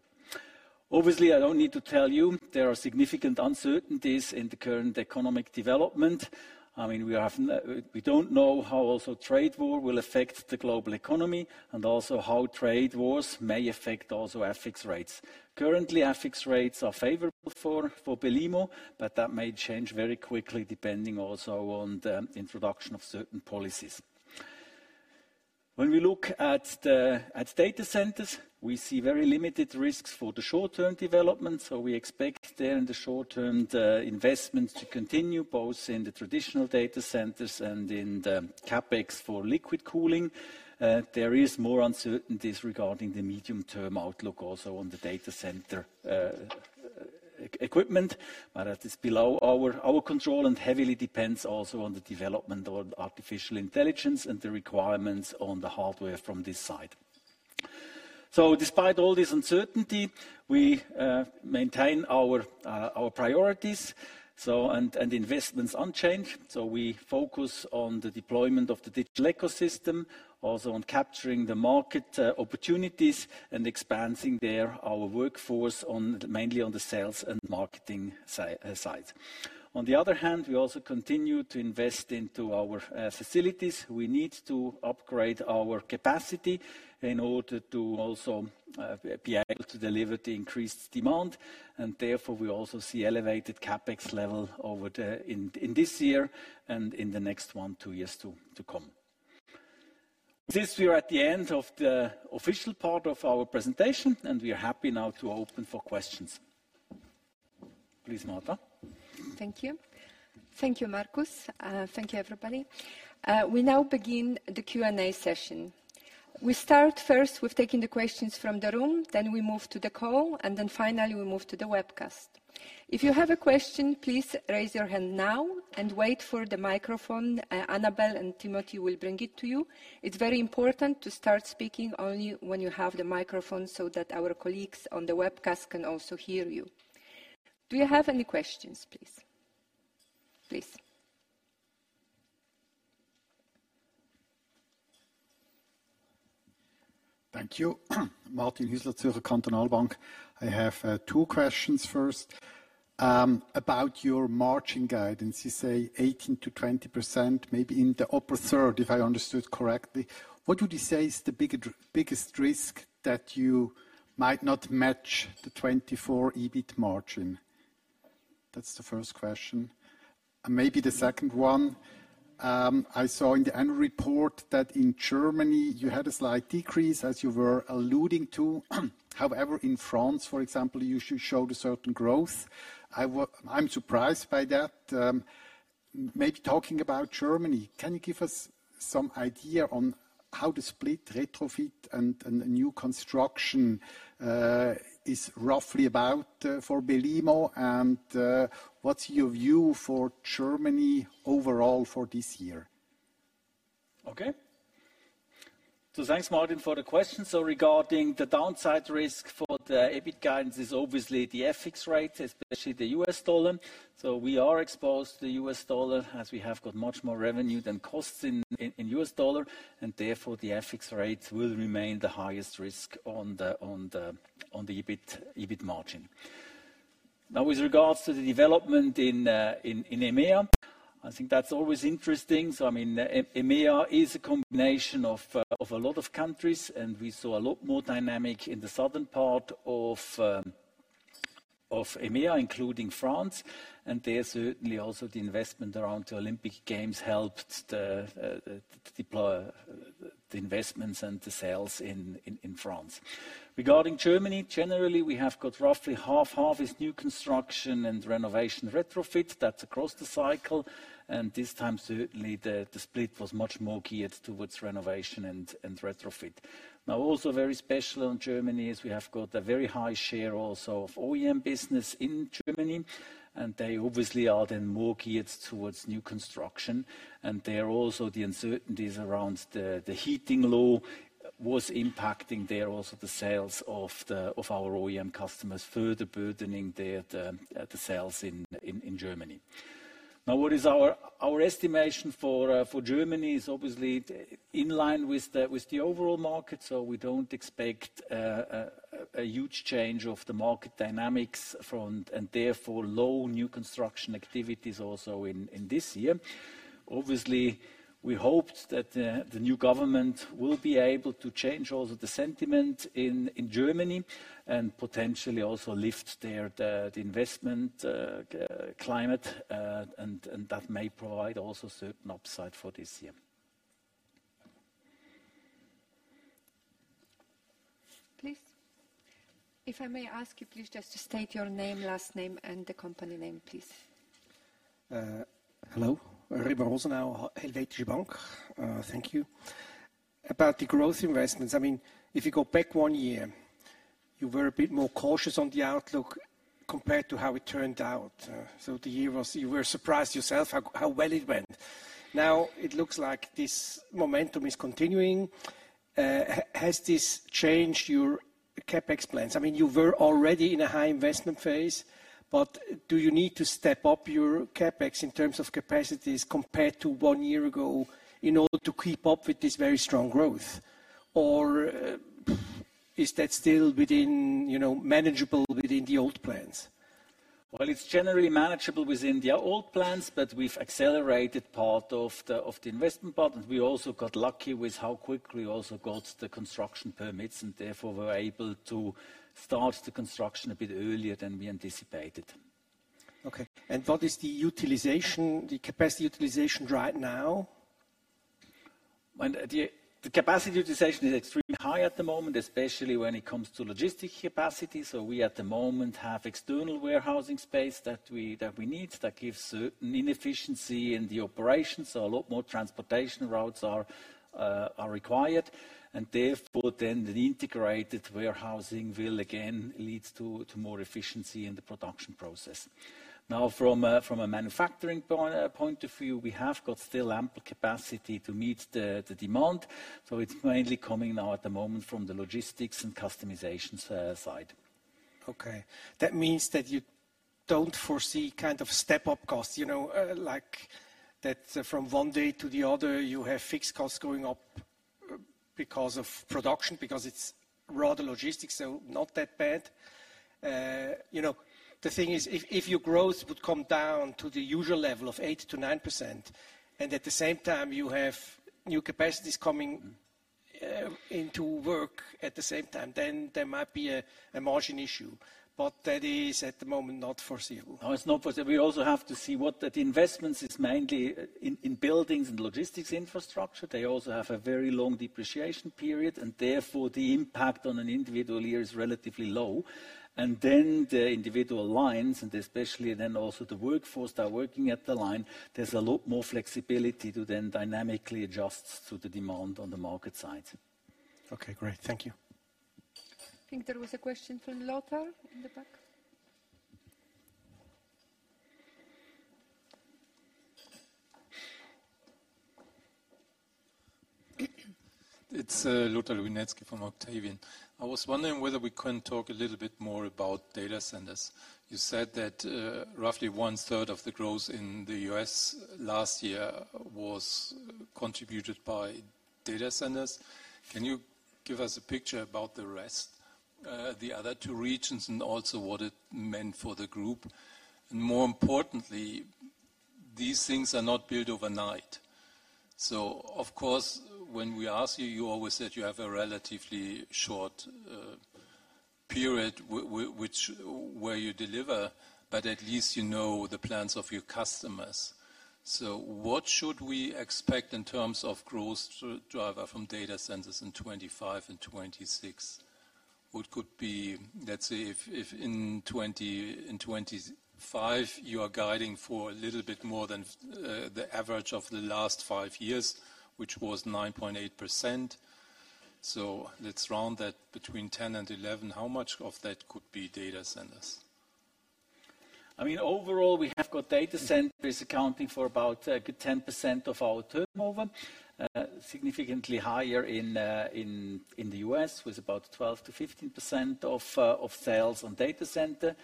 Obviously, I don't need to tell you there are significant uncertainties in the current economic development. I mean, we don't know how also trade war will affect the global economy and also how trade wars may affect also FX rates. Currently, FX rates are favorable for Belimo, but that may change very quickly depending also on the introduction of certain policies. When we look at data centers, we see very limited risks for the short-term development. So we expect there in the short-term investment to continue both in the traditional data centers and in the CapEx for liquid cooling. There is more uncertainties regarding the medium-term outlook also on the data center equipment, but that is below our control and heavily depends also on the development of artificial intelligence and the requirements on the hardware from this side. So despite all this uncertainty, we maintain our priorities and investments unchanged. So we focus on the deployment of the digital ecosystem, also on capturing the market opportunities and expanding there our workforce mainly on the sales and marketing side. On the other hand, we also continue to invest into our facilities. We need to upgrade our capacity in order to also be able to deliver the increased demand. And therefore, we also see elevated CapEx level in this year and in the next one, two years to come. With this, we are at the end of the official part of our presentation, and we are happy now to open for questions. Please, Marta. Thank you. Thank you, Markus. Thank you, everybody. We now begin the Q&A session. We start first with taking the questions from the room, then we move to the call, and then finally we move to the webcast. If you have a question, please raise your hand now and wait for the microphone. Annabelle and Timothy will bring it to you. It's very important to start speaking only when you have the microphone so that our colleagues on the webcast can also hear you. Do you have any questions, please? Please. Thank you. Martin Hüsler, Zürcher Kantonalbank. I have two questions first about your margin guidance. You say 18%-20%, maybe in the upper third, if I understood correctly. What would you say is the biggest risk that you might not match the 24% EBIT margin? That's the first question. And maybe the second one. I saw in the annual report that in Germany you had a slight decrease, as you were alluding to. However, in France, for example, you showed a certain growth. I'm surprised by that. Maybe talking about Germany, can you give us some idea on how the split, retrofit, and new construction is roughly about for Belimo? And what's your view for Germany overall for this year? Okay. So thanks, Martin, for the questions. So regarding the downside risk for the EBIT guidance is obviously the FX rate, especially the U.S. dollar. So we are exposed to the U.S. dollar as we have got much more revenue than costs in U.S. dollar, and therefore the FX rate will remain the highest risk on the EBIT margin. Now, with regards to the development in EMEA, I think that's always interesting. So I mean, EMEA is a combination of a lot of countries, and we saw a lot more dynamic in the southern part of EMEA, including France. And there's certainly also the investment around the Olympic Games helped the investments and the sales in France. Regarding Germany, generally, we have got roughly half, half is new construction and renovation, retrofit. That's across the cycle, and this time, certainly, the split was much more geared towards renovation and retrofit. Now, also very special on Germany is we have got a very high share also of OEM business in Germany, and they obviously are then more geared towards new construction, and there are also the uncertainties around the heating law was impacting there also the sales of our OEM customers, further burdening the sales in Germany. Now, what is our estimation for Germany is obviously in line with the overall market, so we don't expect a huge change of the market dynamics front and therefore low new construction activities also in this year. Obviously, we hoped that the new government will be able to change also the sentiment in Germany and potentially also lift there the investment climate, and that may provide also certain upside for this year. Please. If I may ask you, please just state your name, last name, and the company name, please. Hello. Remo Rosenau, Helvetische Bank. Thank you. About the growth investments, I mean, if you go back one year, you were a bit more cautious on the outlook compared to how it turned out. So the year was, you were surprised yourself how well it went. Now, it looks like this momentum is continuing. Has this changed your CapEx plans? I mean, you were already in a high investment phase, but do you need to step up your CapEx in terms of capacities compared to one year ago in order to keep up with this very strong growth? Or is that still manageable within the old plans? It's generally manageable within the old plans, but we've accelerated part of the investment part. We also got lucky with how quickly we also got the construction permits and therefore were able to start the construction a bit earlier than we anticipated. Okay. What is the capacity utilization right now? The capacity utilization is extremely high at the moment, especially when it comes to logistics capacity. We at the moment have external warehousing space that we need that gives certain inefficiency in the operations. A lot more transportation routes are required. Therefore then the integrated warehousing will again lead to more efficiency in the production process. Now, from a manufacturing point of view, we have got still ample capacity to meet the demand. It's mainly coming now at the moment from the logistics and customization side. Okay. That means that you don't foresee kind of step-up costs, like that from one day to the other you have fixed costs going up because of production, because it's rather logistics, so not that bad. The thing is, if your growth would come down to the usual level of 8%-9%, and at the same time you have new capacities coming into work at the same time, then there might be a margin issue. But that is at the moment not foreseeable. No, it's not foreseeable. We also have to see what that investment is mainly in buildings and logistics infrastructure. They also have a very long depreciation period, and therefore the impact on an individual year is relatively low. Then the individual lines, and especially then also the workforce that are working at the line, there's a lot more flexibility to then dynamically adjust to the demand on the market side. Okay, great. Thank you. I think there was a question from Lothar in the back. It's Lothar Lubinecki from Octavian. I was wondering whether we can talk a little bit more about data centers. You said that roughly one-third of the growth in the U.S. last year was contributed by data centers. Can you give us a picture about the rest, the other two regions, and also what it meant for the group? And more importantly, these things are not built overnight. So of course, when we ask you, you always said you have a relatively short period where you deliver, but at least you know the plans of your customers. What should we expect in terms of growth driver from data centers in 2025 and 2026? What could be, let's say, if in 2025 you are guiding for a little bit more than the average of the last five years, which was 9.8%? Let's round that between 10 and 11. How much of that could be data centers? I mean, overall, we have got data centers accounting for about 10% of our turnover, significantly higher in the U.S. with about 12%-15% of sales on data centers.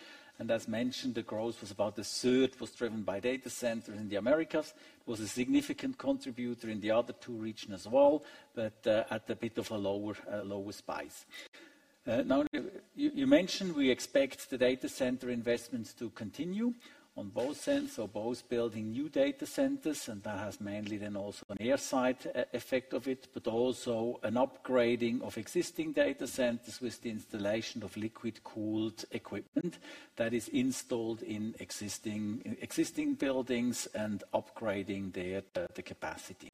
And as mentioned, the growth was about a third was driven by data centers in the Americas. It was a significant contributor in the other two regions as well, but at a bit of a lower pace. Now, you mentioned we expect the data center investments to continue on both ends, so both building new data centers, and that has mainly then also an airside effect of it, but also an upgrading of existing data centers with the installation of liquid-cooled equipment that is installed in existing buildings and upgrading the capacity.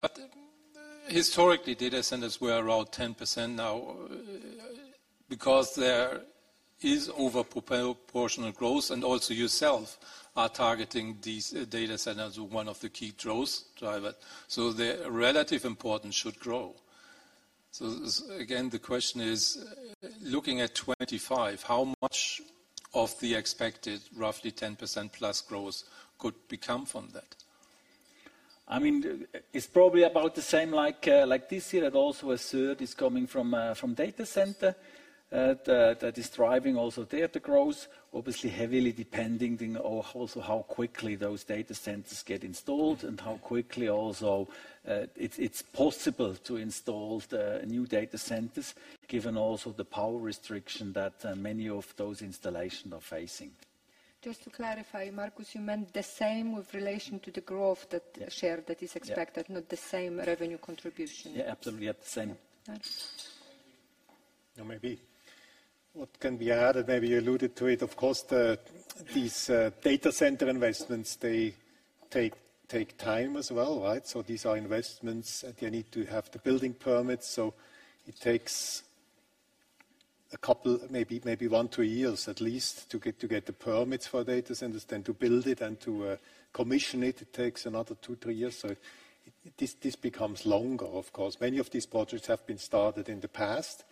But historically, data centers were around 10% now because there is overproportional growth, and also yourself are targeting these data centers with one of the key growth drivers, so the relative importance should grow, so again, the question is, looking at 2025, how much of the expected roughly 10% plus growth could become from that? I mean, it's probably about the same like this year. That also a third is coming from data center that is driving also there the growth, obviously heavily depending also how quickly those data centers get installed and how quickly also it's possible to install the new data centers given also the power restriction that many of those installations are facing. Just to clarify, Markus, you meant the same with relation to the growth that shared that is expected, not the same revenue contribution. Yeah, absolutely. Yeah, the same. Thank you. No, maybe what can be added, maybe you alluded to it, of course, these data center investments, they take time as well, right? So these are investments that you need to have the building permits. So it takes a couple, maybe one or two years at least to get the permits for data centers, then to build it and to commission it, it takes another two or three years. So this becomes longer, of course. Many of these projects have been started in the past,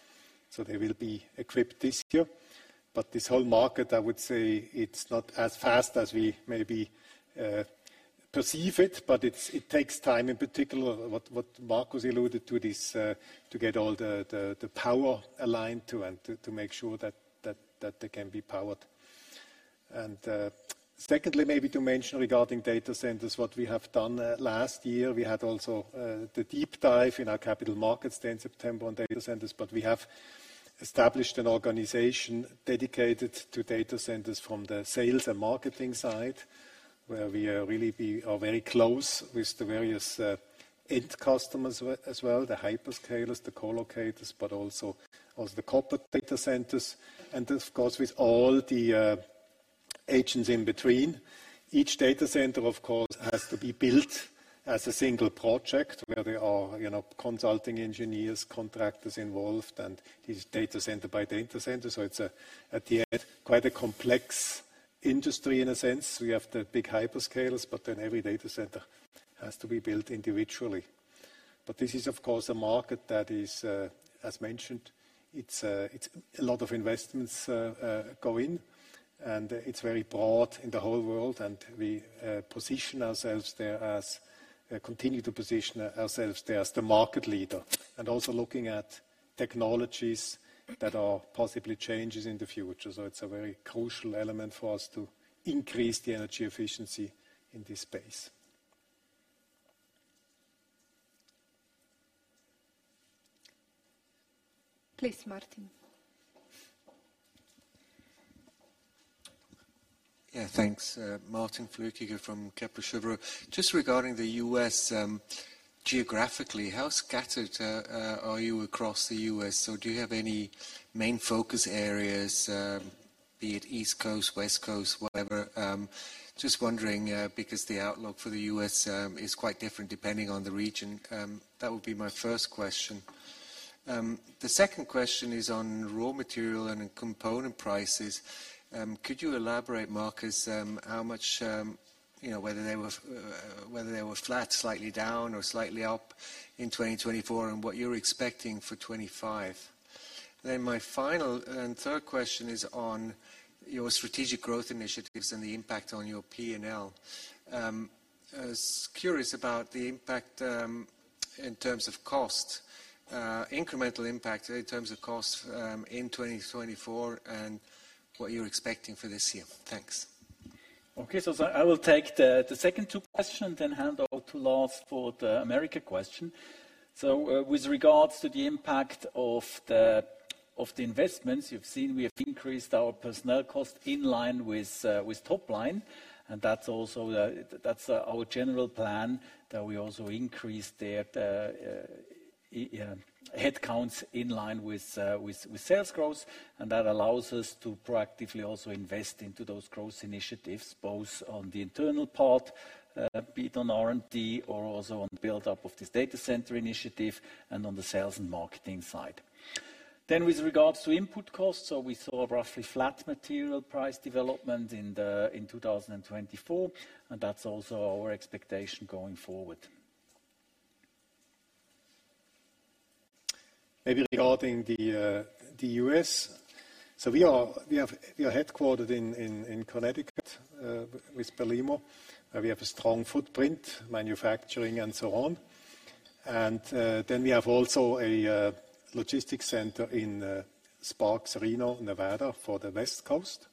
so they will be equipped this year. But this whole market, I would say, it's not as fast as we maybe perceive it, but it takes time. In particular, what Markus alluded to, this to get all the power aligned to and to make sure that they can be powered. And secondly, maybe to mention regarding data centers, what we have done last year, we had also the deep dive in our Capital Markets Day in September on data centers, but we have established an organization dedicated to data centers from the sales and marketing side, where we are really very close with the various end customers as well, the hyperscalers, the colocators, but also the corporate data centers. Of course, with all the agents in between, each data center, of course, has to be built as a single project where there are consulting engineers, contractors involved, and these data center by data centers. So it's quite a complex industry in a sense. We have the big hyperscalers, but then every data center has to be built individually. But this is, of course, a market that is, as mentioned, it's a lot of investments go in, and it's very broad in the whole world. And we position ourselves there as continue to position ourselves there as the market leader and also looking at technologies that are possibly changes in the future. So it's a very crucial element for us to increase the energy efficiency in this space. Please, Martin. Yeah, thanks. Martin Flückiger from Kepler Cheuvreux. Just regarding the U.S. geographically, how scattered are you across the U.S.? So do you have any main focus areas, be it East Coast, West Coast, whatever? Just wondering because the outlook for the U.S. is quite different depending on the region. That would be my first question. The second question is on raw material and component prices. Could you elaborate, Markus, how much, whether they were flat, slightly down, or slightly up in 2024, and what you're expecting for 2025? Then my final and third question is on your strategic growth initiatives and the impact on your P&L. I was curious about the impact in terms of cost, incremental impact in terms of cost in 2024, and what you're expecting for this year. Thanks. Okay, so I will take the second two questions and then hand over to Lars for the America question. So with regards to the impact of the investments, you've seen we have increased our personnel cost in line with top line. And that's also our general plan that we also increase the headcounts in line with sales growth. And that allows us to proactively also invest into those growth initiatives, both on the internal part, be it on R&D or also on the build-up of this data center initiative and on the sales and marketing side. Then with regards to input costs, so we saw roughly flat material price development in 2024, and that's also our expectation going forward. Maybe regarding the U.S., so we are headquartered in Connecticut with Belimo. We have a strong footprint, manufacturing, and so on. And then we have also a logistics center in Sparks, Reno, Nevada for the West Coast.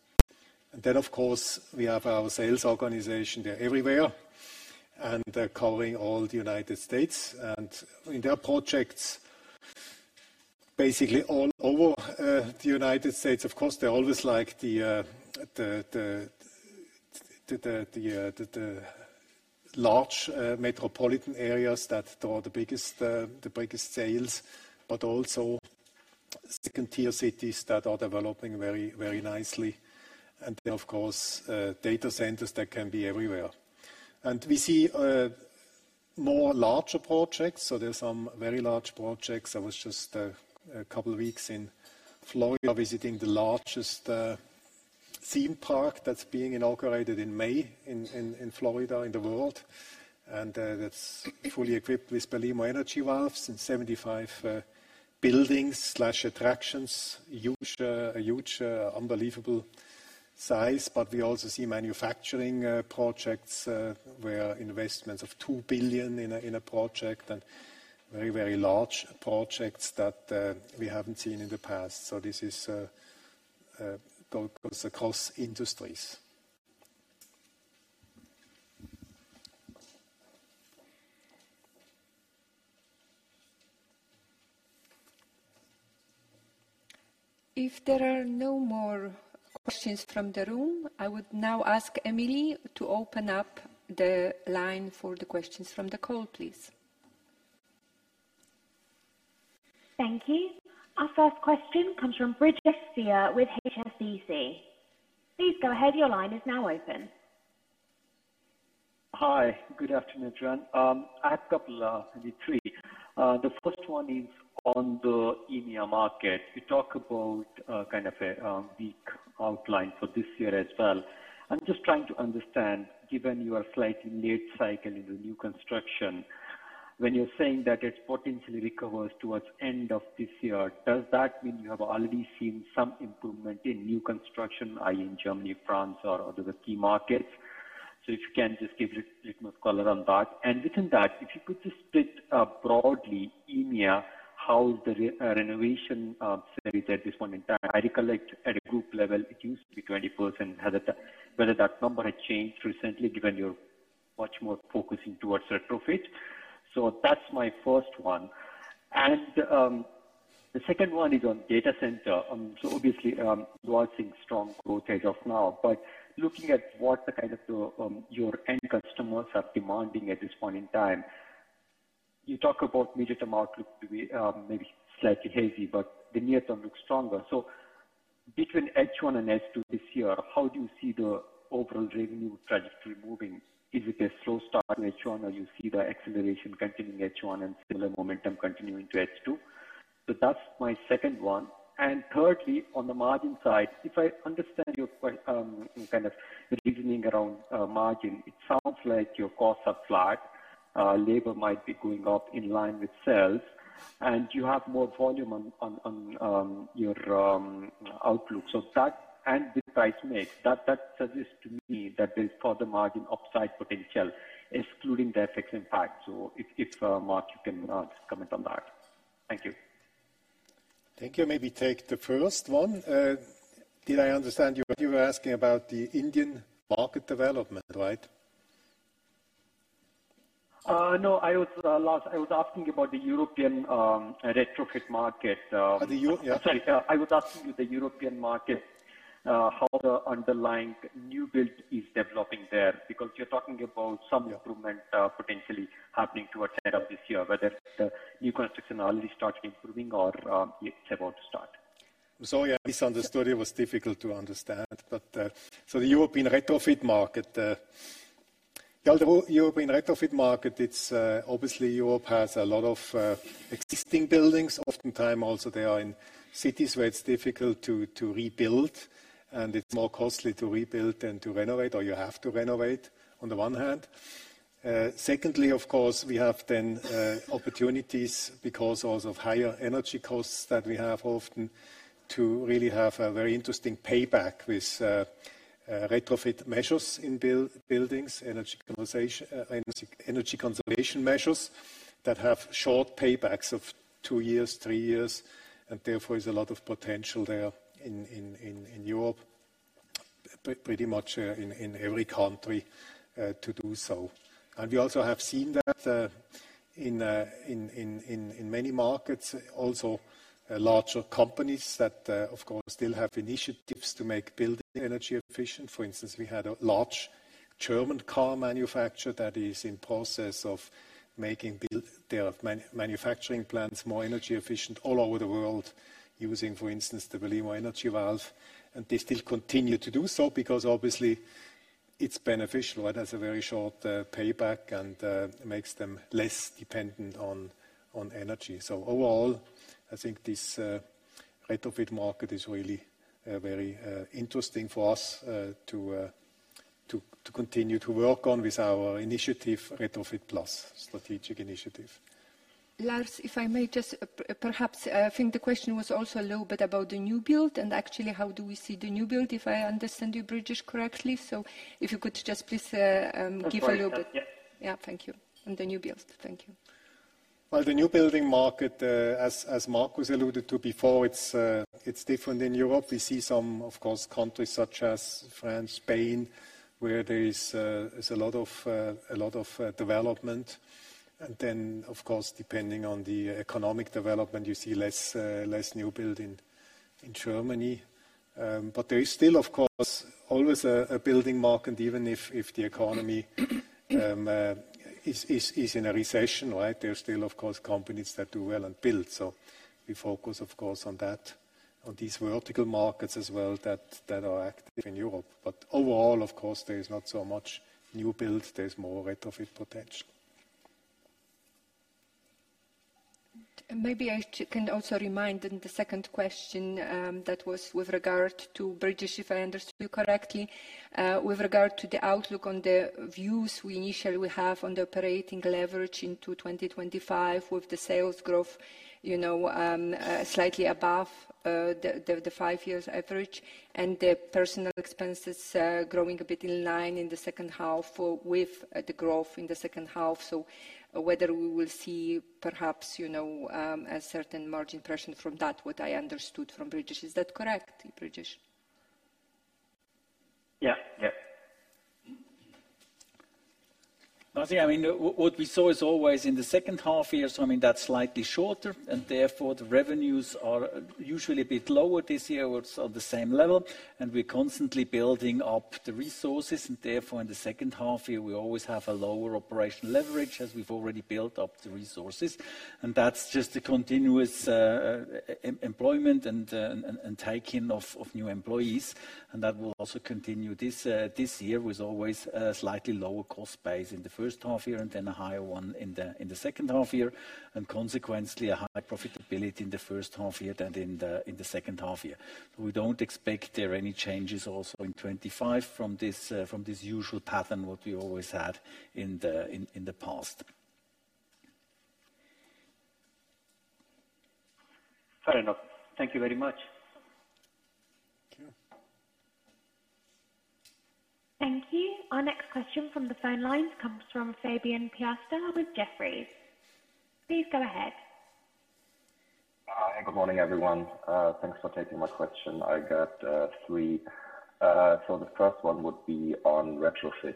And then, of course, we have our sales organization there everywhere and covering all the United States. And in their projects, basically all over the United States, of course, they're always like the large metropolitan areas that are the biggest sales, but also second-tier cities that are developing very nicely. And then, of course, data centers that can be everywhere. And we see more larger projects. So there's some very large projects. I was just a couple of weeks in Florida visiting the largest theme park that's being inaugurated in May in Florida in the world. And that's fully equipped with Belimo Energy Valves and 75 buildings/attractions, a huge unbelievable size. But we also see manufacturing projects where investments of $2 billion in a project and very, very large projects that we haven't seen in the past. So this goes across industries. If there are no more questions from the room, I would now ask Emily to open up the line for the questions from the call, please. Thank you. Our first question comes from Bridget Steer with HSBC. Please go ahead. Your line is now open. Hi, good afternoon, Gentlemen. I have a couple of three. The first one is on the EMEA market. You talk about kind of a weak outlook for this year as well. I'm just trying to understand, given you are slightly late cycle in the new construction, when you're saying that it potentially recovers towards the end of this year, does that mean you have already seen some improvement in new construction, i.e., in Germany, France, or other key markets? So if you can just give a bit more color on that. Within that, if you could just split broadly, EMEA, how is the renovation at this point in time? I recollect at a group level, it used to be 20%, whether that number had changed recently, given you're much more focusing towards retrofit. So that's my first one. And the second one is on data center. So obviously, you are seeing strong growth as of now. But looking at what kind of your end customers are demanding at this point in time, you talk about medium term outlook maybe slightly hazy, but the near term looks stronger. So between H1 and H2 this year, how do you see the overall revenue trajectory moving? Is it a slow start in H1, or do you see the acceleration continuing in H1 and still a momentum continuing to H2? So that's my second one. And thirdly, on the margin side, if I understand your kind of reasoning around margin, it sounds like your costs are flat. Labor might be going up in line with sales, and you have more volume on your outlook. So that and the price mix, that suggests to me that there's further margin upside potential, excluding the FX impact. So if Markus, you can comment on that. Thank you. Thank you. Maybe take the first one. Did I understand you were asking about the Indian market development, right? No, I was asking about the European retrofit market. Sorry, I was asking you the European market, how the underlying new build is developing there, because you're talking about some improvement potentially happening towards the end of this year, whether the new construction already started improving or it's about to start. Sorry, I misunderstood. It was difficult to understand. But so the European retrofit market, it's obviously Europe has a lot of existing buildings. Oftentimes also they are in cities where it's difficult to rebuild, and it's more costly to rebuild than to renovate, or you have to renovate on the one hand. Secondly, of course, we have then opportunities because also of higher energy costs that we have often to really have a very interesting payback with retrofit measures in buildings, energy conservation measures that have short paybacks of two years, three years, and therefore there's a lot of potential there in Europe, pretty much in every country to do so. And we also have seen that in many markets, also larger companies that, of course, still have initiatives to make buildings energy efficient. For instance, we had a large German car manufacturer that is in process of making their manufacturing plants more energy efficient all over the world, using, for instance, the Belimo Energy Valve. And they still continue to do so because obviously it's beneficial, right? It has a very short payback and makes them less dependent on energy. So overall, I think this retrofit market is really very interesting for us to continue to work on with our initiative, Retrofit+, strategic initiative. Lars, if I may just perhaps, I think the question was also a little bit about the new build and actually how do we see the new build, if I understand you, Bridget, correctly? So if you could just please give a little bit. Yeah, thank you. And the new build, thank you. Well, the new building market, as Mark was alluded to before, it's different in Europe. We see some, of course, countries such as France, Spain, where there is a lot of development, and then, of course, depending on the economic development, you see less new build in Germany, but there is still, of course, always a building market, even if the economy is in a recession, right? There's still, of course, companies that do well and build, so we focus, of course, on that, on these vertical markets as well that are active in Europe. But overall, of course, there is not so much new build. There's more retrofit potential. Maybe I can also remind in the second question that was with regard to Bridget, if I understood you correctly, with regard to the outlook on the views we initially will have on the operating leverage into 2025 with the sales growth slightly above the five-year average and the personnel expenses growing a bit in line in the second half with the growth in the second half. So whether we will see perhaps a certain margin pressure from that, what I understood from Bridget. Is that correct, Bridget? Yeah, yeah. I mean, what we saw is always in the second half year. So I mean, that's slightly shorter, and therefore the revenues are usually a bit lower this year or on the same level. And we're constantly building up the resources. And therefore, in the second half year, we always have a lower operational leverage as we've already built up the resources. And that's just the continuous employment and taking of new employees. And that will also continue this year with always a slightly lower cost base in the first half year and then a higher one in the second half year. And consequently, a high profitability in the first half year than in the second half year. We don't expect there are any changes also in 2025 from this usual pattern, what we always had in the past. Fair enough. Thank you very much. Thank you. Our next question from the phone lines comes from Fabian Piasta with Jefferies. Please go ahead. Hi, good morning, everyone. Thanks for taking my question. I got three. So the first one would be on retrofit.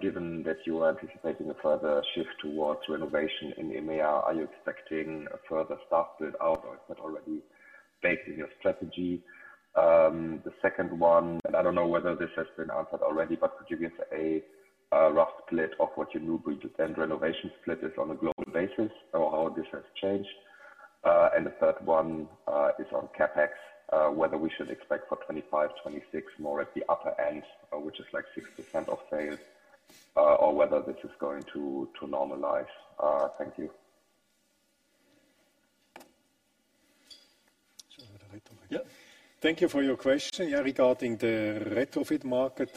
Given that you are anticipating a further shift towards renovation in EMEA, are you expecting a further staff build-out or is that already based in your strategy? The second one, and I don't know whether this has been answered already, but could you give a rough split of what your new build and renovation split is on a global basis or how this has changed? And the third one is on CapEx, whether we should expect for 2025, 2026 more at the upper end, which is like 6% of sales, or whether this is going to normalize. Thank you. Thank you for your question regarding the retrofit market.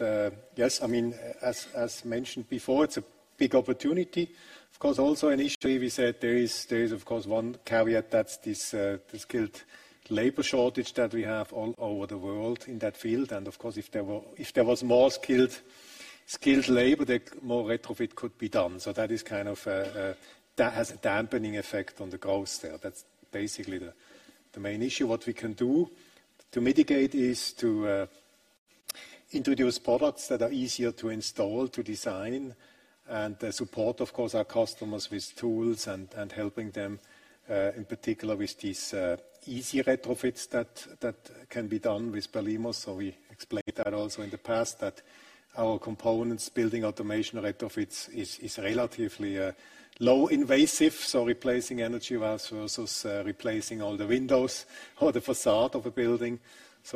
Yes, I mean, as mentioned before, it's a big opportunity. Of course, also an issue we said there is, of course, one caveat that's this skilled labor shortage that we have all over the world in that field. Of course, if there was more skilled labor, more retrofit could be done. That is kind of a dampening effect on the growth there. That's basically the main issue. What we can do to mitigate is to introduce products that are easier to install, to design, and support, of course, our customers with tools and helping them in particular with these easy retrofits that can be done with Belimo. We explained that also in the past that our components, building automation retrofits, is relatively low invasive. Replacing energy valves versus replacing all the windows or the facade of a building.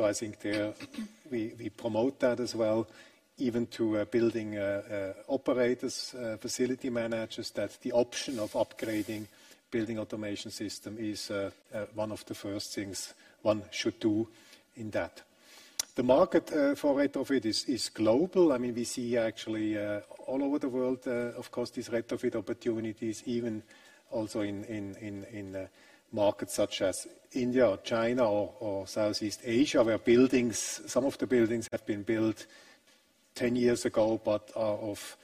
I think we promote that as well, even to building operators, facility managers, that the option of upgrading building automation system is one of the first things one should do in that. The market for retrofit is global. I mean, we see actually all over the world, of course, these retrofit opportunities, even also in markets such as India or China or Southeast Asia, where some of the buildings have been built 10 years ago but are of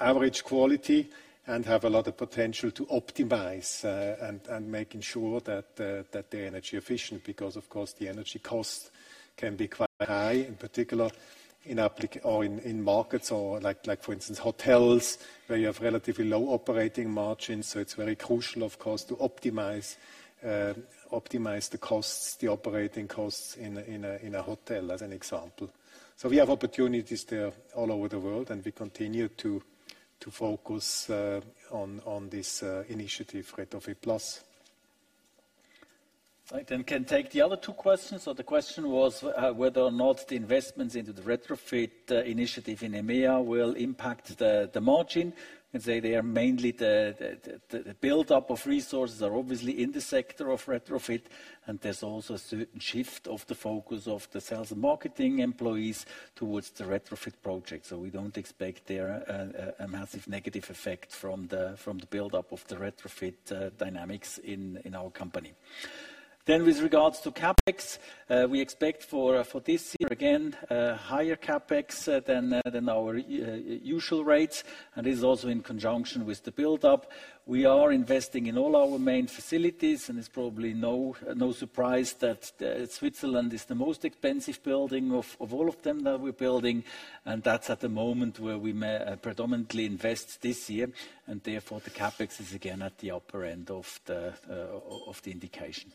average quality and have a lot of potential to optimize and making sure that they're energy efficient because, of course, the energy cost can be quite high, in particular in markets or, for instance, hotels where you have relatively low operating margins. So it's very crucial, of course, to optimize the costs, the operating costs in a hotel, as an example. So we have opportunities there all over the world, and we continue to focus on this initiative, Retrofit+. I can take the other two questions. So the question was whether or not the investments into the retrofit initiative in EMEA will impact the margin. I can say they are mainly the build-up of resources are obviously in the sector of retrofit, and there's also a certain shift of the focus of the sales and marketing employees towards the retrofit project. So we don't expect there a massive negative effect from the build-up of the retrofit dynamics in our company. Then with regards to CapEx, we expect for this year, again, higher CapEx than our usual rates. And this is also in conjunction with the build-up. We are investing in all our main facilities, and it's probably no surprise that Switzerland is the most expensive building of all of them that we're building. And that's at the moment where we predominantly invest this year. And therefore, the CapEx is again at the upper end of the indication.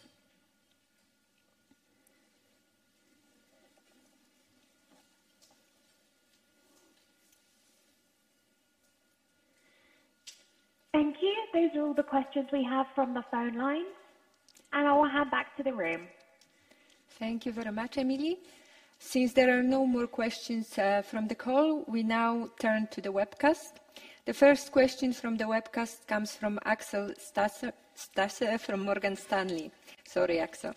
Thank you. Those are all the questions we have from the phone lines. I will hand back to the room. Thank you very much, Emily. Since there are no more questions from the call, we now turn to the webcast. The first question from the webcast comes from Axel Stasse from Morgan Stanley. Sorry, Axel.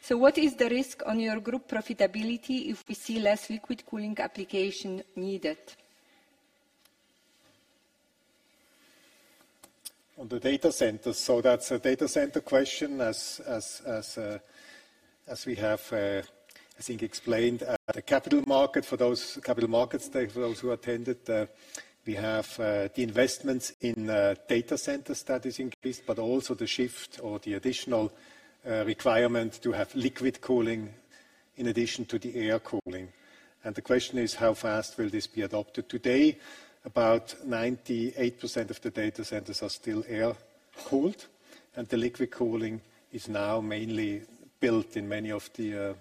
So what is the risk on your group profitability if we see less liquid cooling application needed? On the data centers. So that's a data center question, as we have, I think, explained at the capital market for those capital markets, for those who attended. We have the investments in data centers that is increased, but also the shift or the additional requirement to have liquid cooling in addition to the air cooling. And the question is, how fast will this be adopted today? About 98% of the data centers are still air-cooled, and the liquid cooling is now mainly built in many of the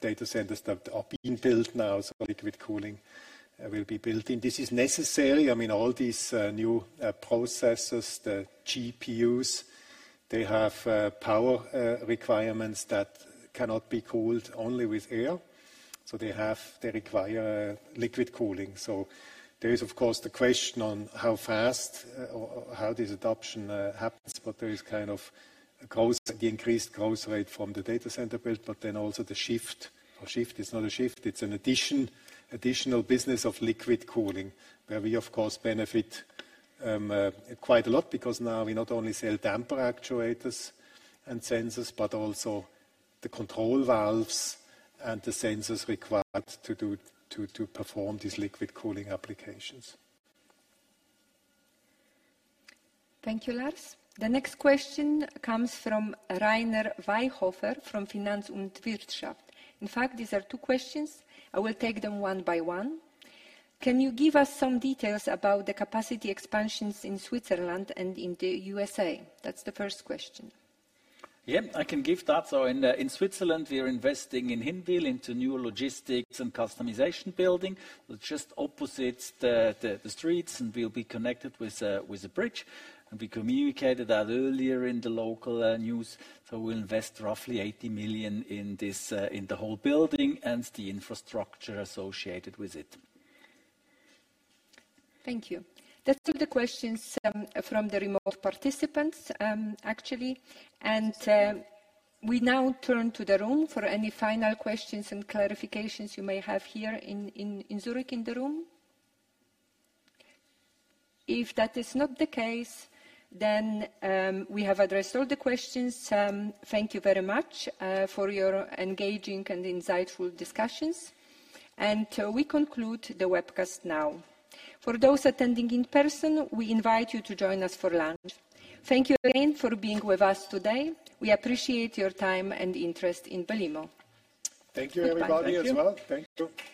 data centers that are being built now. So liquid cooling will be built in. This is necessary. I mean, all these new processors, the GPUs, they have power requirements that cannot be cooled only with air. So they require liquid cooling. So there is, of course, the question on how fast or how this adoption happens, but there is kind of the increased growth rate from the data center build, but then also the shift. Or, shift is not a shift. It's an additional business of liquid cooling where we, of course, benefit quite a lot because now we not only sell damper actuators and sensors, but also the control valves and the sensors required to perform these liquid cooling applications. Thank you, Lars. The next question comes from Rainer Weihofen from Finanz und Wirtschaft. In fact, these are two questions. I will take them one by one. Can you give us some details about the capacity expansions in Switzerland and in the USA? That's the first question. Yeah, I can give that. So in Switzerland, we are investing in Hinwil into new logistics and customization building. It's just opposite the streets and will be connected with a bridge. And we communicated that earlier in the local news. So we'll invest roughly 80 million in the whole building and the infrastructure associated with it. Thank you. That's all the questions from the remote participants, actually. And we now turn to the room for any final questions and clarifications you may have here in Zurich in the room. If that is not the case, then we have addressed all the questions. Thank you very much for your engaging and insightful discussions. And we conclude the webcast now. For those attending in person, we invite you to join us for lunch. Thank you again for being with us today. We appreciate your time and interest in Belimo.